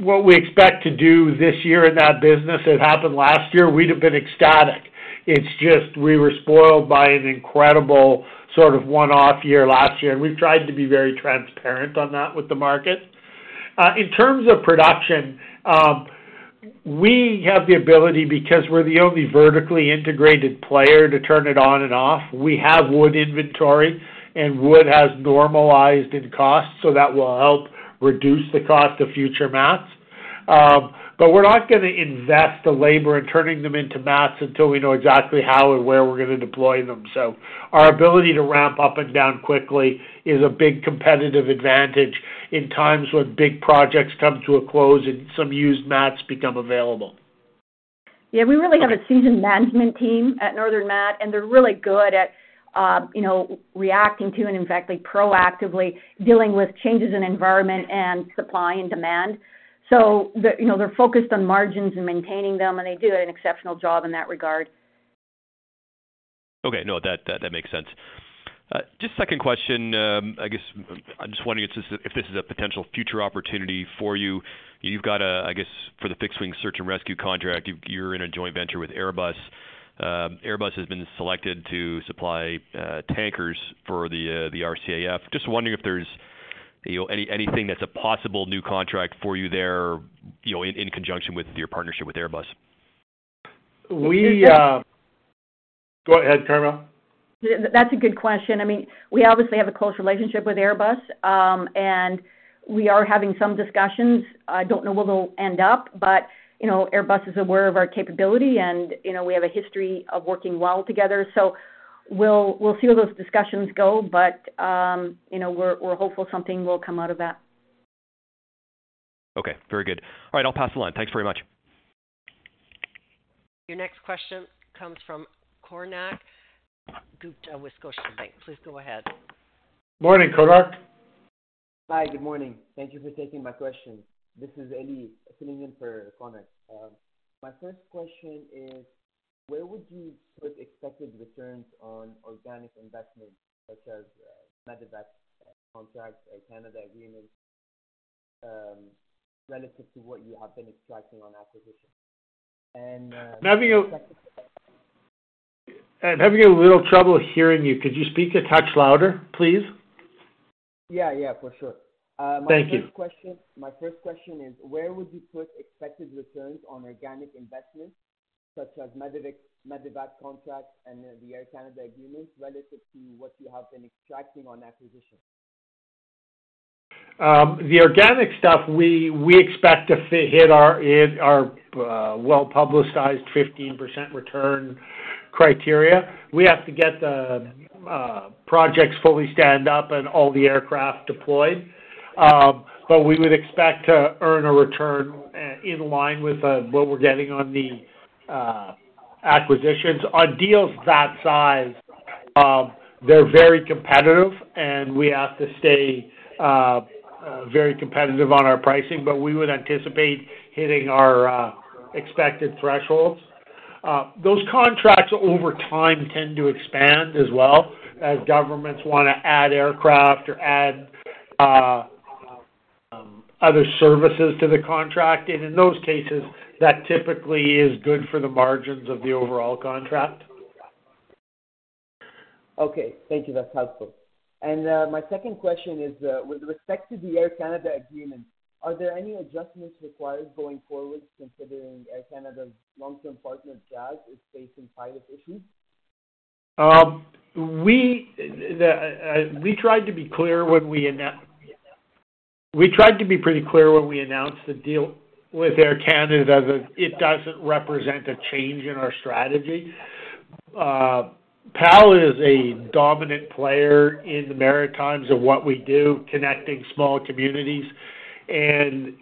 What we expect to do this year in that business had happened last year, we'd have been ecstatic. It's just we were spoiled by an incredible sort of one-off year last year, and we've tried to be very transparent on that with the market. In terms of production, we have the ability, because we're the only vertically integrated player to turn it on and off. We have wood inventory, and wood has normalized in cost, so that will help reduce the cost of future mats. We're not gonna invest the labor in turning them into mats until we know exactly how and where we're gonna deploy them. Our ability to ramp up and down quickly is a big competitive advantage in times when big projects come to a close and some used mats become available. Yeah, we really have a seasoned management team at Northern Mat, and they're really good at, you know, reacting to, and in fact, they're proactively dealing with changes in environment and supply and demand. The, you know, they're focused on margins and maintaining them, and they do an exceptional job in that regard. Okay. No, that, that, makes sense. Just second question. I guess I'm just wondering if this is a potential future opportunity for you. You've got a, I guess, for the fixed-wing search and rescue contract, you, you're in a joint venture with Airbus. Airbus has been selected to supply, tankers for the, the RCAF. Just wondering if there's, you know, anything that's a possible new contract for you there, you know, in, in conjunction with your partnership with Airbus? We, Go ahead, Carmele. That's a good question. I mean, we obviously have a close relationship with Airbus, and we are having some discussions. I don't know where they'll end up, but, you know, Airbus is aware of our capability, and, you know, we have a history of working well together. We'll, we'll see where those discussions go, but, you know, we're, we're hopeful something will come out of that. Okay, very good. All right, I'll pass the line. Thanks very much. Your next question comes from Konark Gupta with Scotiabank. Please go ahead. Morning, Konark. Hi, good morning. Thank you for taking my question. This is Eli, filling in for Konark. My first question is: where would you put expected returns on organic investments, such as, medevac contracts, Air Canada agreements, relative to what you have been extracting on acquisitions? I'm having a little trouble hearing you. Could you speak a touch louder, please? Yeah, yeah, for sure. Thank you. My first question, my first question is: where would you put expected returns on organic investments, such as medevac, medevac contracts and the Air Canada agreements, relative to what you have been extracting on acquisitions? The organic stuff, we, we expect to hit our well-publicized 15% return criteria. We have to get the projects fully stand up and all the aircraft deployed. We would expect to earn a return in line with what we're getting on the acquisitions. On deals that size, they're very competitive, and we have to stay very competitive on our pricing, but we would anticipate hitting our expected thresholds. Those contracts over time tend to expand as well as governments want to add aircraft or add other services to the contract. In those cases, that typically is good for the margins of the overall contract. Okay, thank you. That's helpful. My second question is with respect to the Air Canada agreement, are there any adjustments required going forward, considering Air Canada's long-term partner, Jazz, is facing pilot issues? We tried to be pretty clear when we announced the deal with Air Canada, that it, it doesn't represent a change in our strategy. PAL is a dominant player in the Maritimes of what we do, connecting small communities, and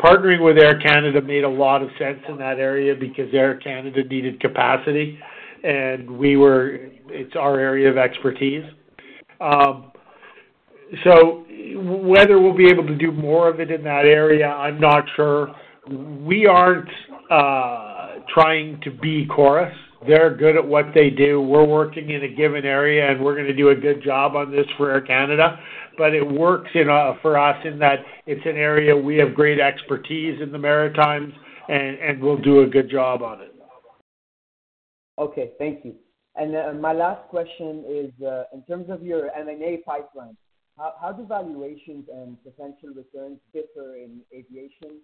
partnering with Air Canada made a lot of sense in that area because Air Canada needed capacity, and it's our area of expertise. So whether we'll be able to do more of it in that area, I'm not sure. We aren't trying to be Chorus. They're good at what they do. We're working in a given area, and we're gonna do a good job on this for Air Canada. It works in for us in that it's an area we have great expertise in the Maritimes and, and we'll do a good job on it. Okay, thank you. My last question is in terms of your M&A pipeline, how, how do valuations and potential returns differ in aviation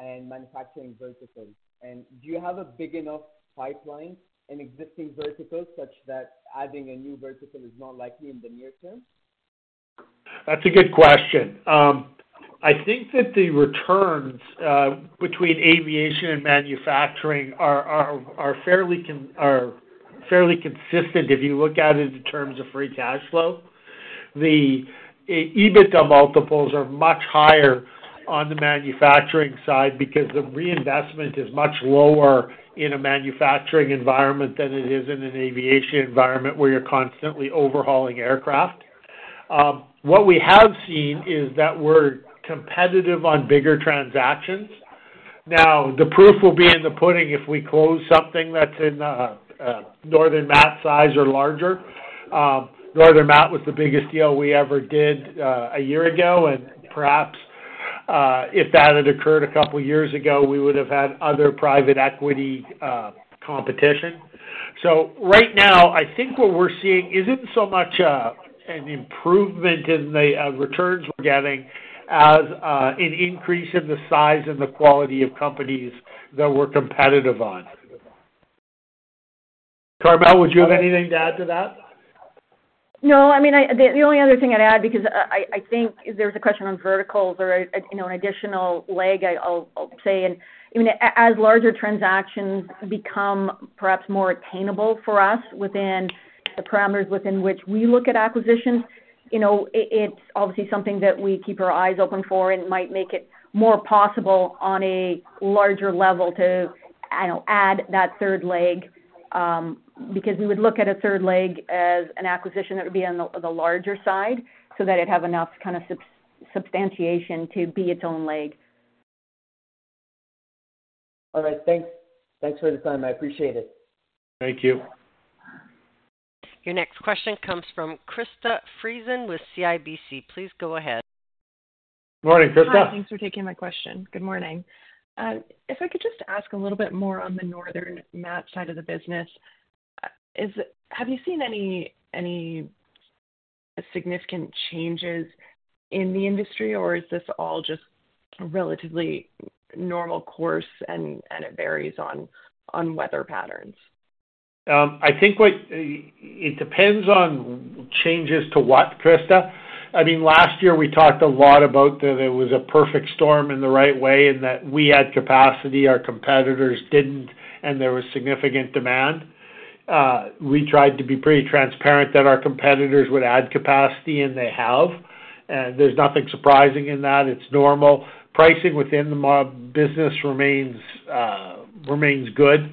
and manufacturing verticals? Do you have a big enough pipeline in existing verticals such that adding a new vertical is not likely in the near term? That's a good question. I think that the returns between aviation and manufacturing are, are, are fairly consistent if you look at it in terms of free cash flow. The EBITDA multiples are much higher on the manufacturing side because the reinvestment is much lower in a manufacturing environment than it is in an aviation environment, where you're constantly overhauling aircraft. What we have seen is that we're competitive on bigger transactions. Now, the proof will be in the pudding if we close something that's in a Northern Mat size or larger. Northern Mat was the biggest deal we ever did one year ago, and if that had occurred two years ago, we would have had other private equity competition. Right now, I think what we're seeing isn't so much, an improvement in the returns we're getting, as an increase in the size and the quality of companies that we're competitive on. Carmele, would you have anything to add to that? No, I mean, the, the only other thing I'd add, because I, I think there was a question on verticals or, you know, an additional leg, I, I'll, I'll say. I mean, as larger transactions become perhaps more attainable for us within the parameters within which we look at acquisitions, you know, it, it's obviously something that we keep our eyes open for and might make it more possible on a larger level to, I don't know, add that third leg. Because we would look at a third leg as an acquisition that would be on the, the larger side, so that it'd have enough kind of substantiation to be its own leg. All right. Thanks. Thanks for the time. I appreciate it. Thank you. Your next question comes from Krista Friesen with CIBC. Please go ahead. Morning, Krista. Hi, thanks for taking my question. Good morning. If I could just ask a little bit more on the Northern Mat side of the business, have you seen any, any significant changes in the industry, or is this all just a relatively normal course, and it varies on, on weather patterns? I think what... It depends on changes to what, Krista? I mean, last year we talked a lot about that it was a perfect storm in the right way, and that we had capacity, our competitors didn't, and there was significant demand. We tried to be pretty transparent that our competitors would add capacity, and they have. There's nothing surprising in that. It's normal. Pricing within the business remains remains good.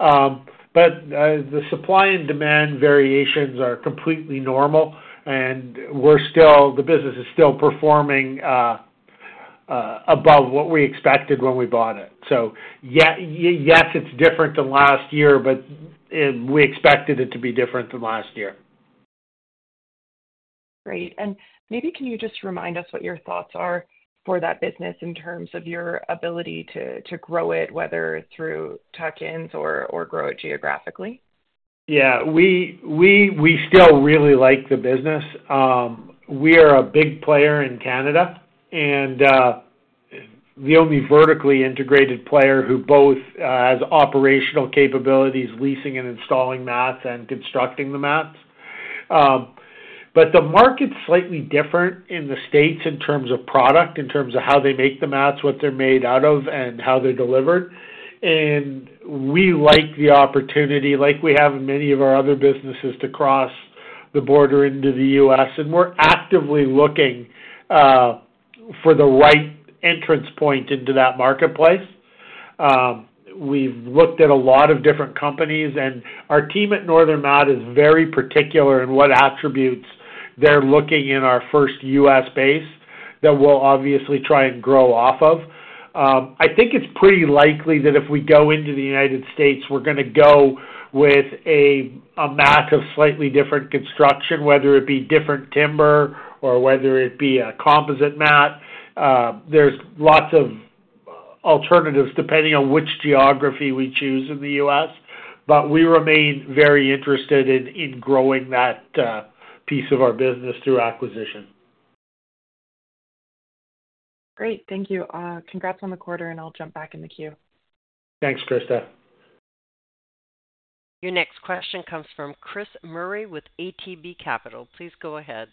The supply and demand variations are completely normal, and the business is still performing above what we expected when we bought it. Yes, it's different than last year, but we expected it to be different than last year. Great. Maybe can you just remind us what your thoughts are for that business in terms of your ability to, to grow it, whether through tuck-ins or, or grow it geographically? Yeah, we, we, we still really like the business. We are a big player in Canada, and the only vertically integrated player who both has operational capabilities, leasing and installing mats and constructing the mats. The market's slightly different in the States in terms of product, in terms of how they make the mats, what they're made out of, and how they're delivered. We like the opportunity, like we have in many of our other businesses, to cross the border into the U.S., and we're actively looking for the right entrance point into that marketplace. We've looked at a lot of different companies, and our team at Northern Mat is very particular in what attributes they're looking in our first U.S. base, that we'll obviously try and grow off of. I think it's pretty likely that if we go into the United States, we're gonna go with a, a mat of slightly different construction, whether it be different timber or whether it be a composite mat. There's lots of alternatives depending on which geography we choose in the U.S., but we remain very interested in, in growing that piece of our business through acquisition. Great. Thank you. Congrats on the quarter, and I'll jump back in the queue. Thanks, Krista. Your next question comes from Chris Murray with ATB Capital. Please go ahead.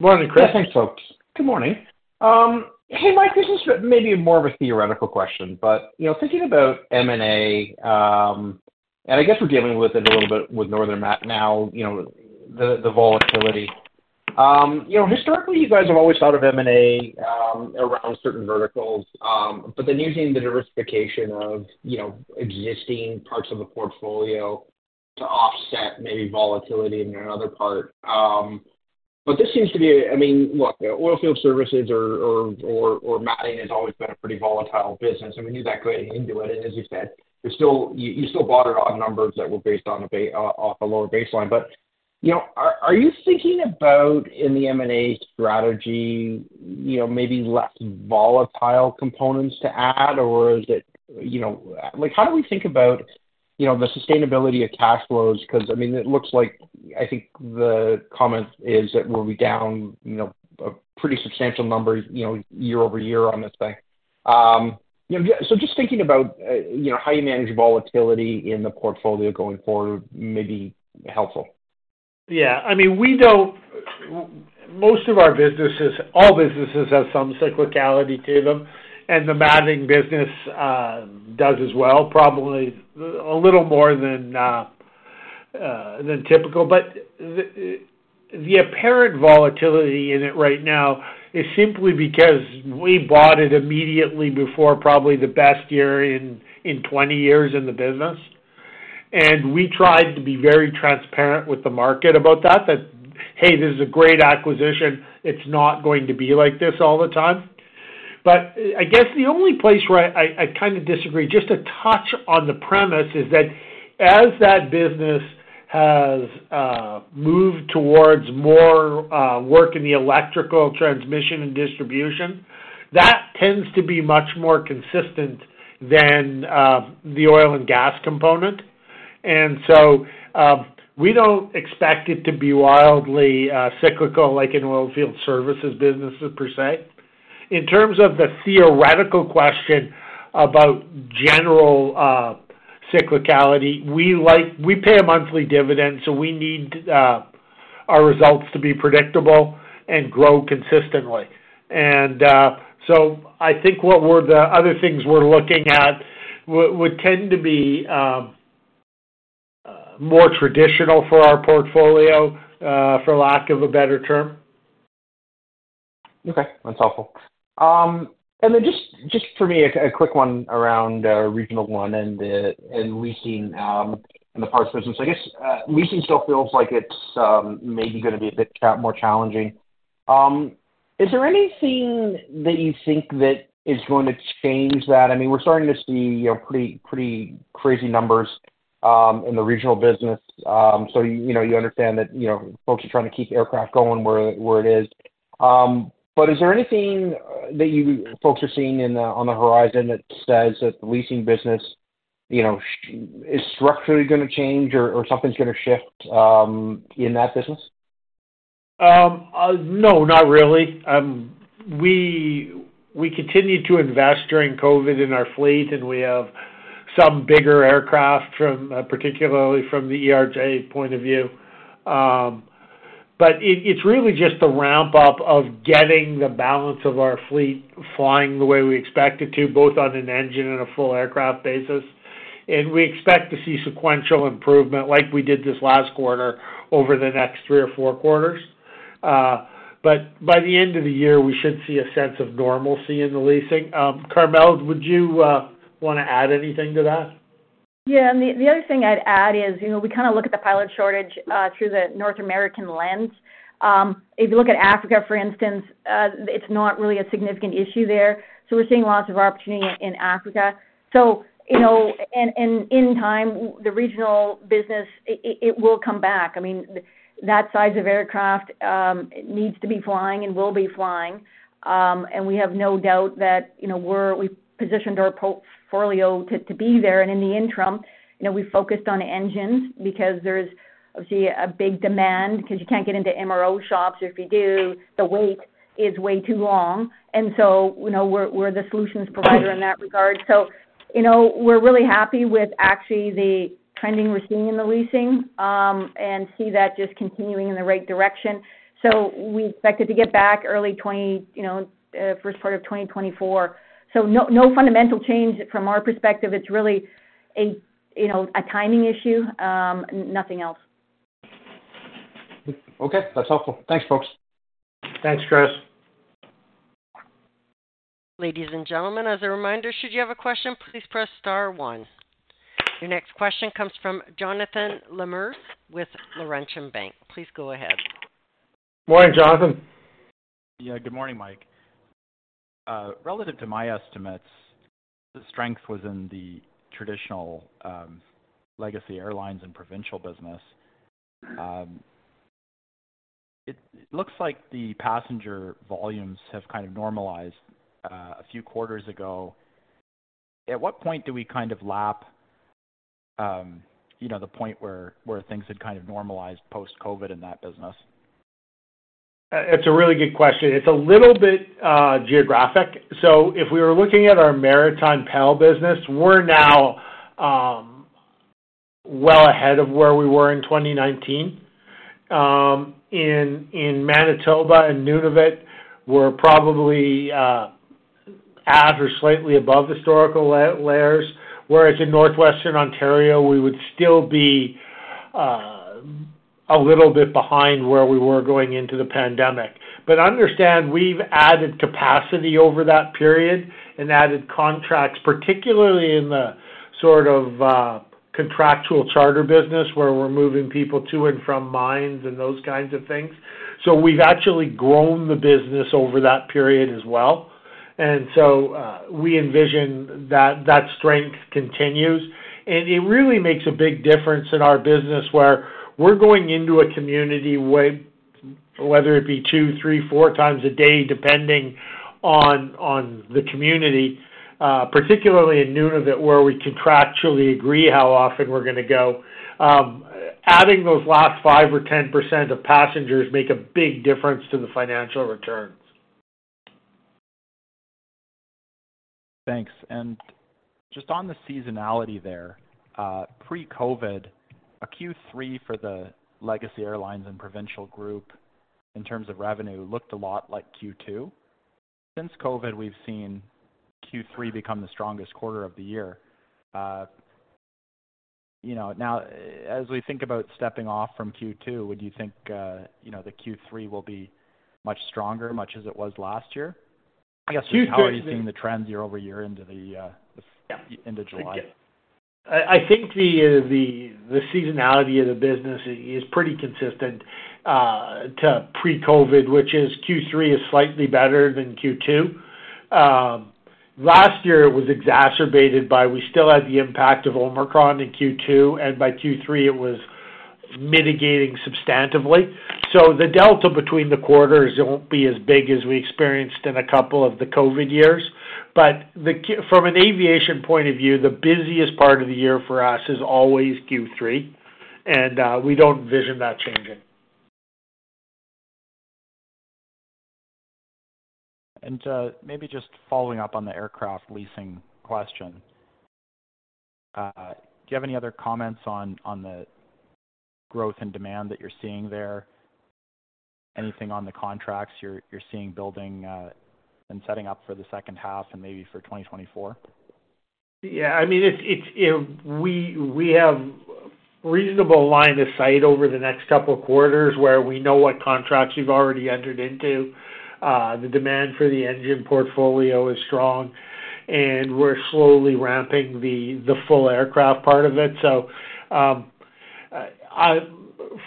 Morning, Chris. Yeah, thanks, folks. Good morning. Hey, Mike, this is maybe more of a theoretical question, but, you know, thinking about M&A, and I guess we're dealing with it a little bit with Northern Mat now, you know, the, the volatility. You know, historically, you guys have always thought of M&A, around certain verticals, but then using the diversification of, you know, existing parts of the portfolio to offset maybe volatility in another part. This seems to be, I mean, look, oilfield services or, or, or, or matting has always been a pretty volatile business, and we knew that going into it. As you said, you still, you still bought it on numbers that were based on a off a lower baseline. You know, are, are you thinking about in the M&A strategy, you know, maybe less volatile components to add, or is it, you know... Like, how do we think about, you know, the sustainability of cash flows? Because, I mean, it looks like, I think the comment is that we'll be down, you know, a pretty substantial number, you know, year-over-year on this thing. You know, so just thinking about how you manage volatility in the portfolio going forward, maybe helpful. Yeah. I mean, we don't-- Most of our businesses, all businesses have some cyclicality to them, and the matting business does as well, probably a little more than typical. The apparent volatility in it right now is simply because we bought it immediately before probably the best year in 20 years in the business. We tried to be very transparent with the market about that, that, "Hey, this is a great acquisition. It's not going to be like this all the time." I guess the only place where I, I kind of disagree, just a touch on the premise, as that business has moved towards more work in the electrical transmission and distribution, that tends to be much more consistent than the oil and gas component. We don't expect it to be wildly cyclical like in oil field services businesses per se. In terms of the theoretical question about general cyclicality, we pay a monthly dividend, so we need our results to be predictable and grow consistently. I think the other things we're looking at would, would tend to be more traditional for our portfolio for lack of a better term. Okay, that's helpful. Then just, just for me, a, a quick one around Regional One and the, and leasing, and the parts business. I guess leasing still feels like it's maybe gonna be a bit more challenging. Is there anything that you think that is going to change that? I mean, we're starting to see, you know, pretty, pretty crazy numbers in the regional business. You, you know, you understand that, you know, folks are trying to keep aircraft going where, where it is. Is there anything that you folks are seeing on the horizon that says that the leasing business, you know, is structurally gonna change or, or something's gonna shift in that business? No, not really. We, we continued to invest during COVID in our fleet, and we have some bigger aircraft from, particularly from the ERJ point of view. It, it's really just the ramp-up of getting the balance of our fleet flying the way we expect it to, both on an engine and a full aircraft basis. We expect to see sequential improvement like we did this last quarter over the next 3 or 4 quarters. By the end of the year, we should see a sense of normalcy in the leasing. Carmele, would you want to add anything to that? Yeah. The, the other thing I'd add is, you know, we kind of look at the pilot shortage through the North American lens. If you look at Africa, for instance, it's not really a significant issue there. We're seeing lots of opportunity in, in Africa. You know, in time, w- the regional business, it, it, it will come back. I mean, th- that size of aircraft, it needs to be flying and will be flying. We have no doubt that, you know, we're-- we've positioned our portfolio to, to be there. In the interim, you know, we focused on engines because there's obviously a, a big demand, because you can't get into MRO shops, or if you do, the wait is way too long. You know, we're, we're the solutions provider in that regard. You know, we're really happy with actually the trending we're seeing in the leasing and see that just continuing in the right direction. We expect it to get back early 20, you know, first part of 2024. No, no fundamental change. From our perspective, it's really a, you know, a timing issue, nothing else. Okay, that's helpful. Thanks, folks. Thanks, Chris. Ladies and gentlemen, as a reminder, should you have a question, please press star one. Your next question comes from Jonathan Lamers with Laurentian Bank. Please go ahead. Morning, Jonathan. Yeah. Good morning, Mike. Relative to my estimates, the strength was in the traditional, legacy airlines and provincial business. It looks like the passenger volumes have kind of normalized, a few quarters ago. At what point do we kind of lap, you know, the point where, where things had kind of normalized post-COVID in that business? It's a really good question. It's a little bit geographic. If we were looking at our maritime PAL business, we're now well ahead of where we were in 2019. In Manitoba and Nunavut, we're probably at or slightly above historical layers, whereas in northwestern Ontario, we would still be a little bit behind where we were going into the pandemic. Understand, we've added capacity over that period and added contracts, particularly in the sort of contractual charter business, where we're moving people to and from mines and those kinds of things. We've actually grown the business over that period as well. We envision that, that strength continues. it really makes a big difference in our business, where we're going into a community whether it be two, three, four times a day, depending on, on the community, particularly in Nunavut, where we contractually agree how often we're gonna go. adding those last 5% or 10% of passengers make a big difference to the financial returns. Thanks. Just on the seasonality there, pre-COVID, a Q3 for the legacy airlines and provincial group, in terms of revenue, looked a lot like Q2. Since COVID, we've seen Q3 become the strongest quarter of the year. You know, now, as we think about stepping off from Q2, would you think, you know, the Q3 will be much stronger, much as it was last year? Q3- How are you seeing the trends year-over-year into July? I, I think the, the, the seasonality of the business is pretty consistent to pre-COVID, which is Q3 is slightly better than Q2. Last year, it was exacerbated by we still had the impact of Omicron in Q2, and by Q3, it was mitigating substantively. The delta between the quarters won't be as big as we experienced in a couple of the COVID years. The from an aviation point of view, the busiest part of the year for us is always Q3, and we don't envision that changing. Maybe just following up on the aircraft leasing question, do you have any other comments on, on the growth and demand that you're seeing there? Anything on the contracts you're, you're seeing building and setting up for the second half and maybe for 2024? Yeah, I mean, it's, it's, we, we have reasonable line of sight over the next couple of quarters where we know what contracts we've already entered into. The demand for the engine portfolio is strong, and we're slowly ramping the, the full aircraft part of it. I,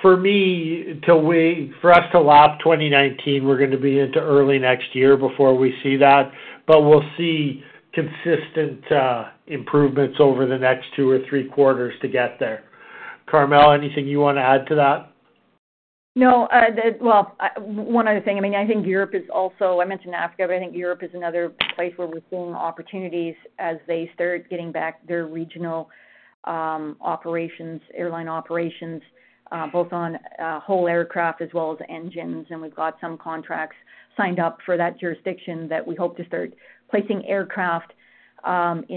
for me, for us to lap 2019, we're gonna be into early next year before we see that, but we'll see consistent improvements over the next 2 or 3 quarters to get there. Carmele, anything you want to add to that? No. Well, one other thing, I mean, I think Europe is also, I mentioned Africa, but I think Europe is another place where we're seeing opportunities as they start getting back their regional operations, airline operations, both on whole aircraft as well as engines. We've got some contracts signed up for that jurisdiction that we hope to start placing aircraft probably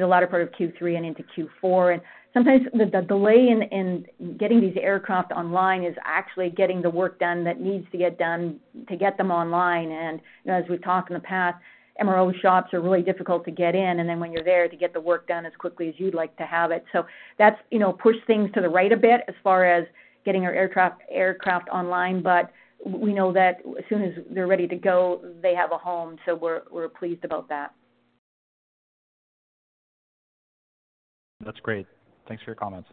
the latter part of Q3 and into Q4. Sometimes the delay in getting these aircraft online is actually getting the work done that needs to get done to get them online. You know, as we've talked in the past, MRO shops are really difficult to get in, and then when you're there, to get the work done as quickly as you'd like to have it. That's, you know, pushed things to the right a bit as far as getting our aircraft online, but we know that as soon as they're ready to go, they have a home, so we're, we're pleased about that. That's great. Thanks for your comments.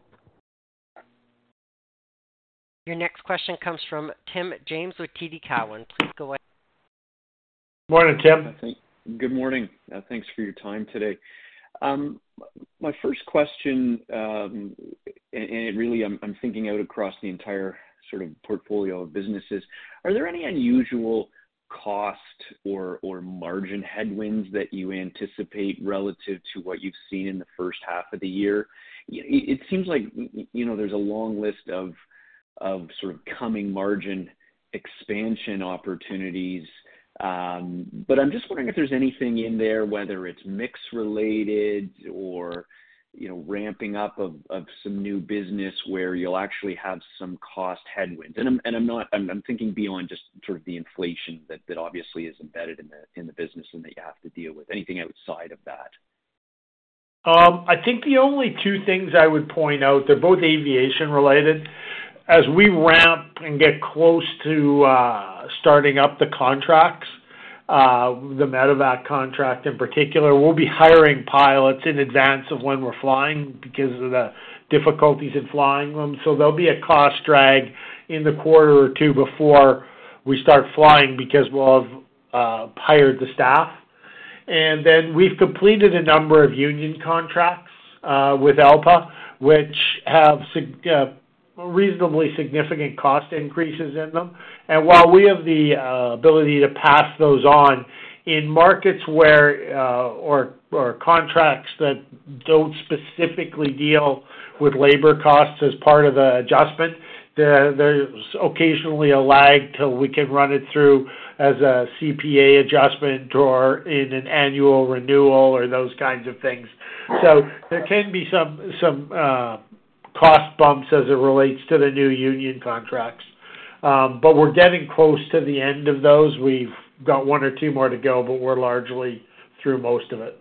Your next question comes from Tim James with TD Cowen. Please go ahead. Morning, Tim. Good morning. Thanks for your time today. My first question, and really I'm thinking out across the entire sort of portfolio of businesses, are there any unusual cost or margin headwinds that you anticipate relative to what you've seen in the first half of the year? It seems like, you know, there's a long list of sort of coming margin expansion opportunities, but I'm just wondering if there's anything in there, whether it's mix related or, you know, ramping up of some new business where you'll actually have some cost headwinds. And I'm not-- I'm thinking beyond just sort of the inflation that obviously is embedded in the business and that you have to deal with. Anything outside of that? I think the only 2 things I would point out, they're both aviation related. As we ramp and get close to starting up the contracts, the Medevac contract in particular, we'll be hiring pilots in advance of when we're flying because of the difficulties in flying them. There'll be a cost drag in the quarter or 2 before we start flying because we'll have hired the staff. Then we've completed a number of union contracts with ALPA, which have sig, reasonably significant cost increases in them. While we have the ability to pass those on, in markets where, or, or contracts that don't specifically deal with labor costs as part of the adjustment, there's occasionally a lag till we can run it through as a CPA adjustment or in an annual renewal or those kinds of things. There can be some, some cost bumps as it relates to the new union contracts. We're getting close to the end of those. We've got one or two more to go, but we're largely through most of it.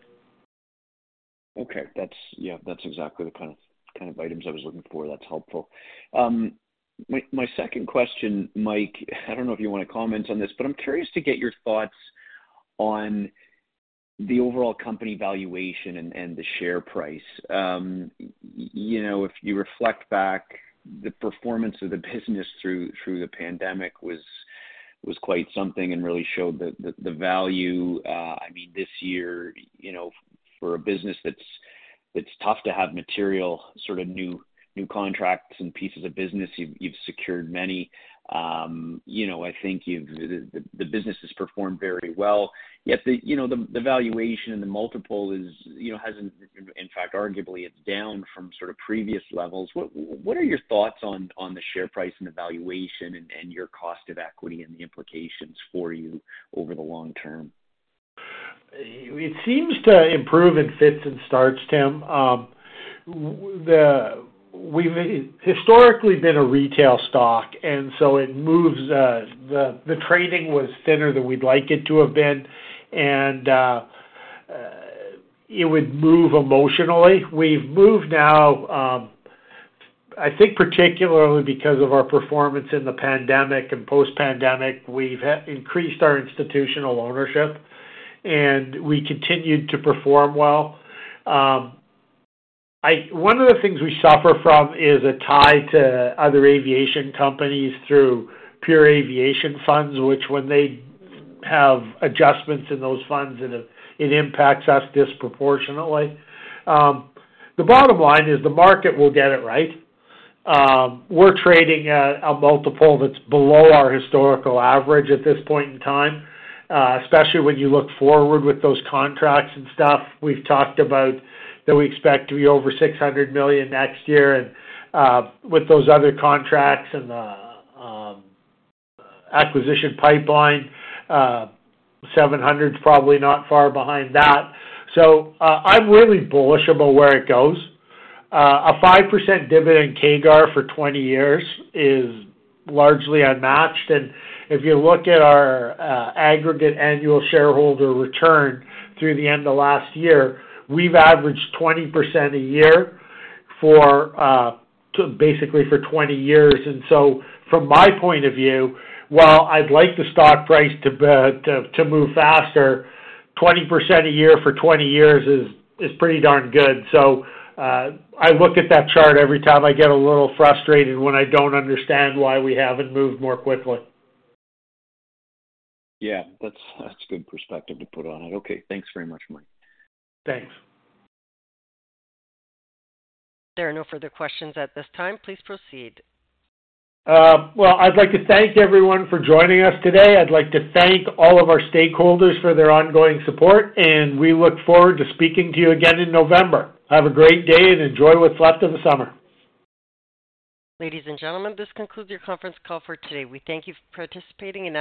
Okay. That's, yeah, that's exactly the kind of, kind of items I was looking for. That's helpful. My, my second question, Mike, I don't know if you want to comment on this, but I'm curious to get your thoughts on the overall company valuation and, and the share price. You know, if you reflect back, the performance of the business through, through the pandemic was, was quite something and really showed the, the, the value. I mean this year, you know, for a business that's, that's tough to have material, sort of new, new contracts and pieces of business, you've, you've secured many. You know, I think you've, the, the business has performed very well. Yet the, you know, the, the valuation and the multiple is, you know, hasn't... In fact, arguably, it's down from sort of previous levels. What, what are your thoughts on, on the share price and the valuation and, and your cost of equity and the implications for you over the long term? It seems to improve in fits and starts, Tim. We've historically been a retail stock, and so it moves, the, the trading was thinner than we'd like it to have been, and it would move emotionally. We've moved now, I think particularly because of our performance in the pandemic and post-pandemic, we've increased our institutional ownership, and we continued to perform well. One of the things we suffer from is a tie to other aviation companies through pure aviation funds, which when they have adjustments in those funds, it, it impacts us disproportionately. The bottom line is the market will get it right. We're trading at a multiple that's below our historical average at this point in time, especially when you look forward with those contracts and stuff. We've talked about that we expect to be over C$600 million next year. With those other contracts and the acquisition pipeline, CAD 700's probably not far behind that. I'm really bullish about where it goes. A 5% dividend CAGR for 20 years is largely unmatched. If you look at our aggregate annual shareholder return through the end of last year, we've averaged 20% a year for to basically for 20 years. From my point of view, while I'd like the stock price to to move faster, 20% a year for 20 years is, is pretty darn good. I look at that chart every time I get a little frustrated when I don't understand why we haven't moved more quickly. Yeah, that's, that's a good perspective to put on it. Okay, thanks very much, Mike. Thanks. There are no further questions at this time. Please proceed. Well, I'd like to thank everyone for joining us today. I'd like to thank all of our stakeholders for their ongoing support, and we look forward to speaking to you again in November. Have a great day, and enjoy what's left of the summer. Ladies and gentlemen, this concludes your conference call for today. We thank you for participating and-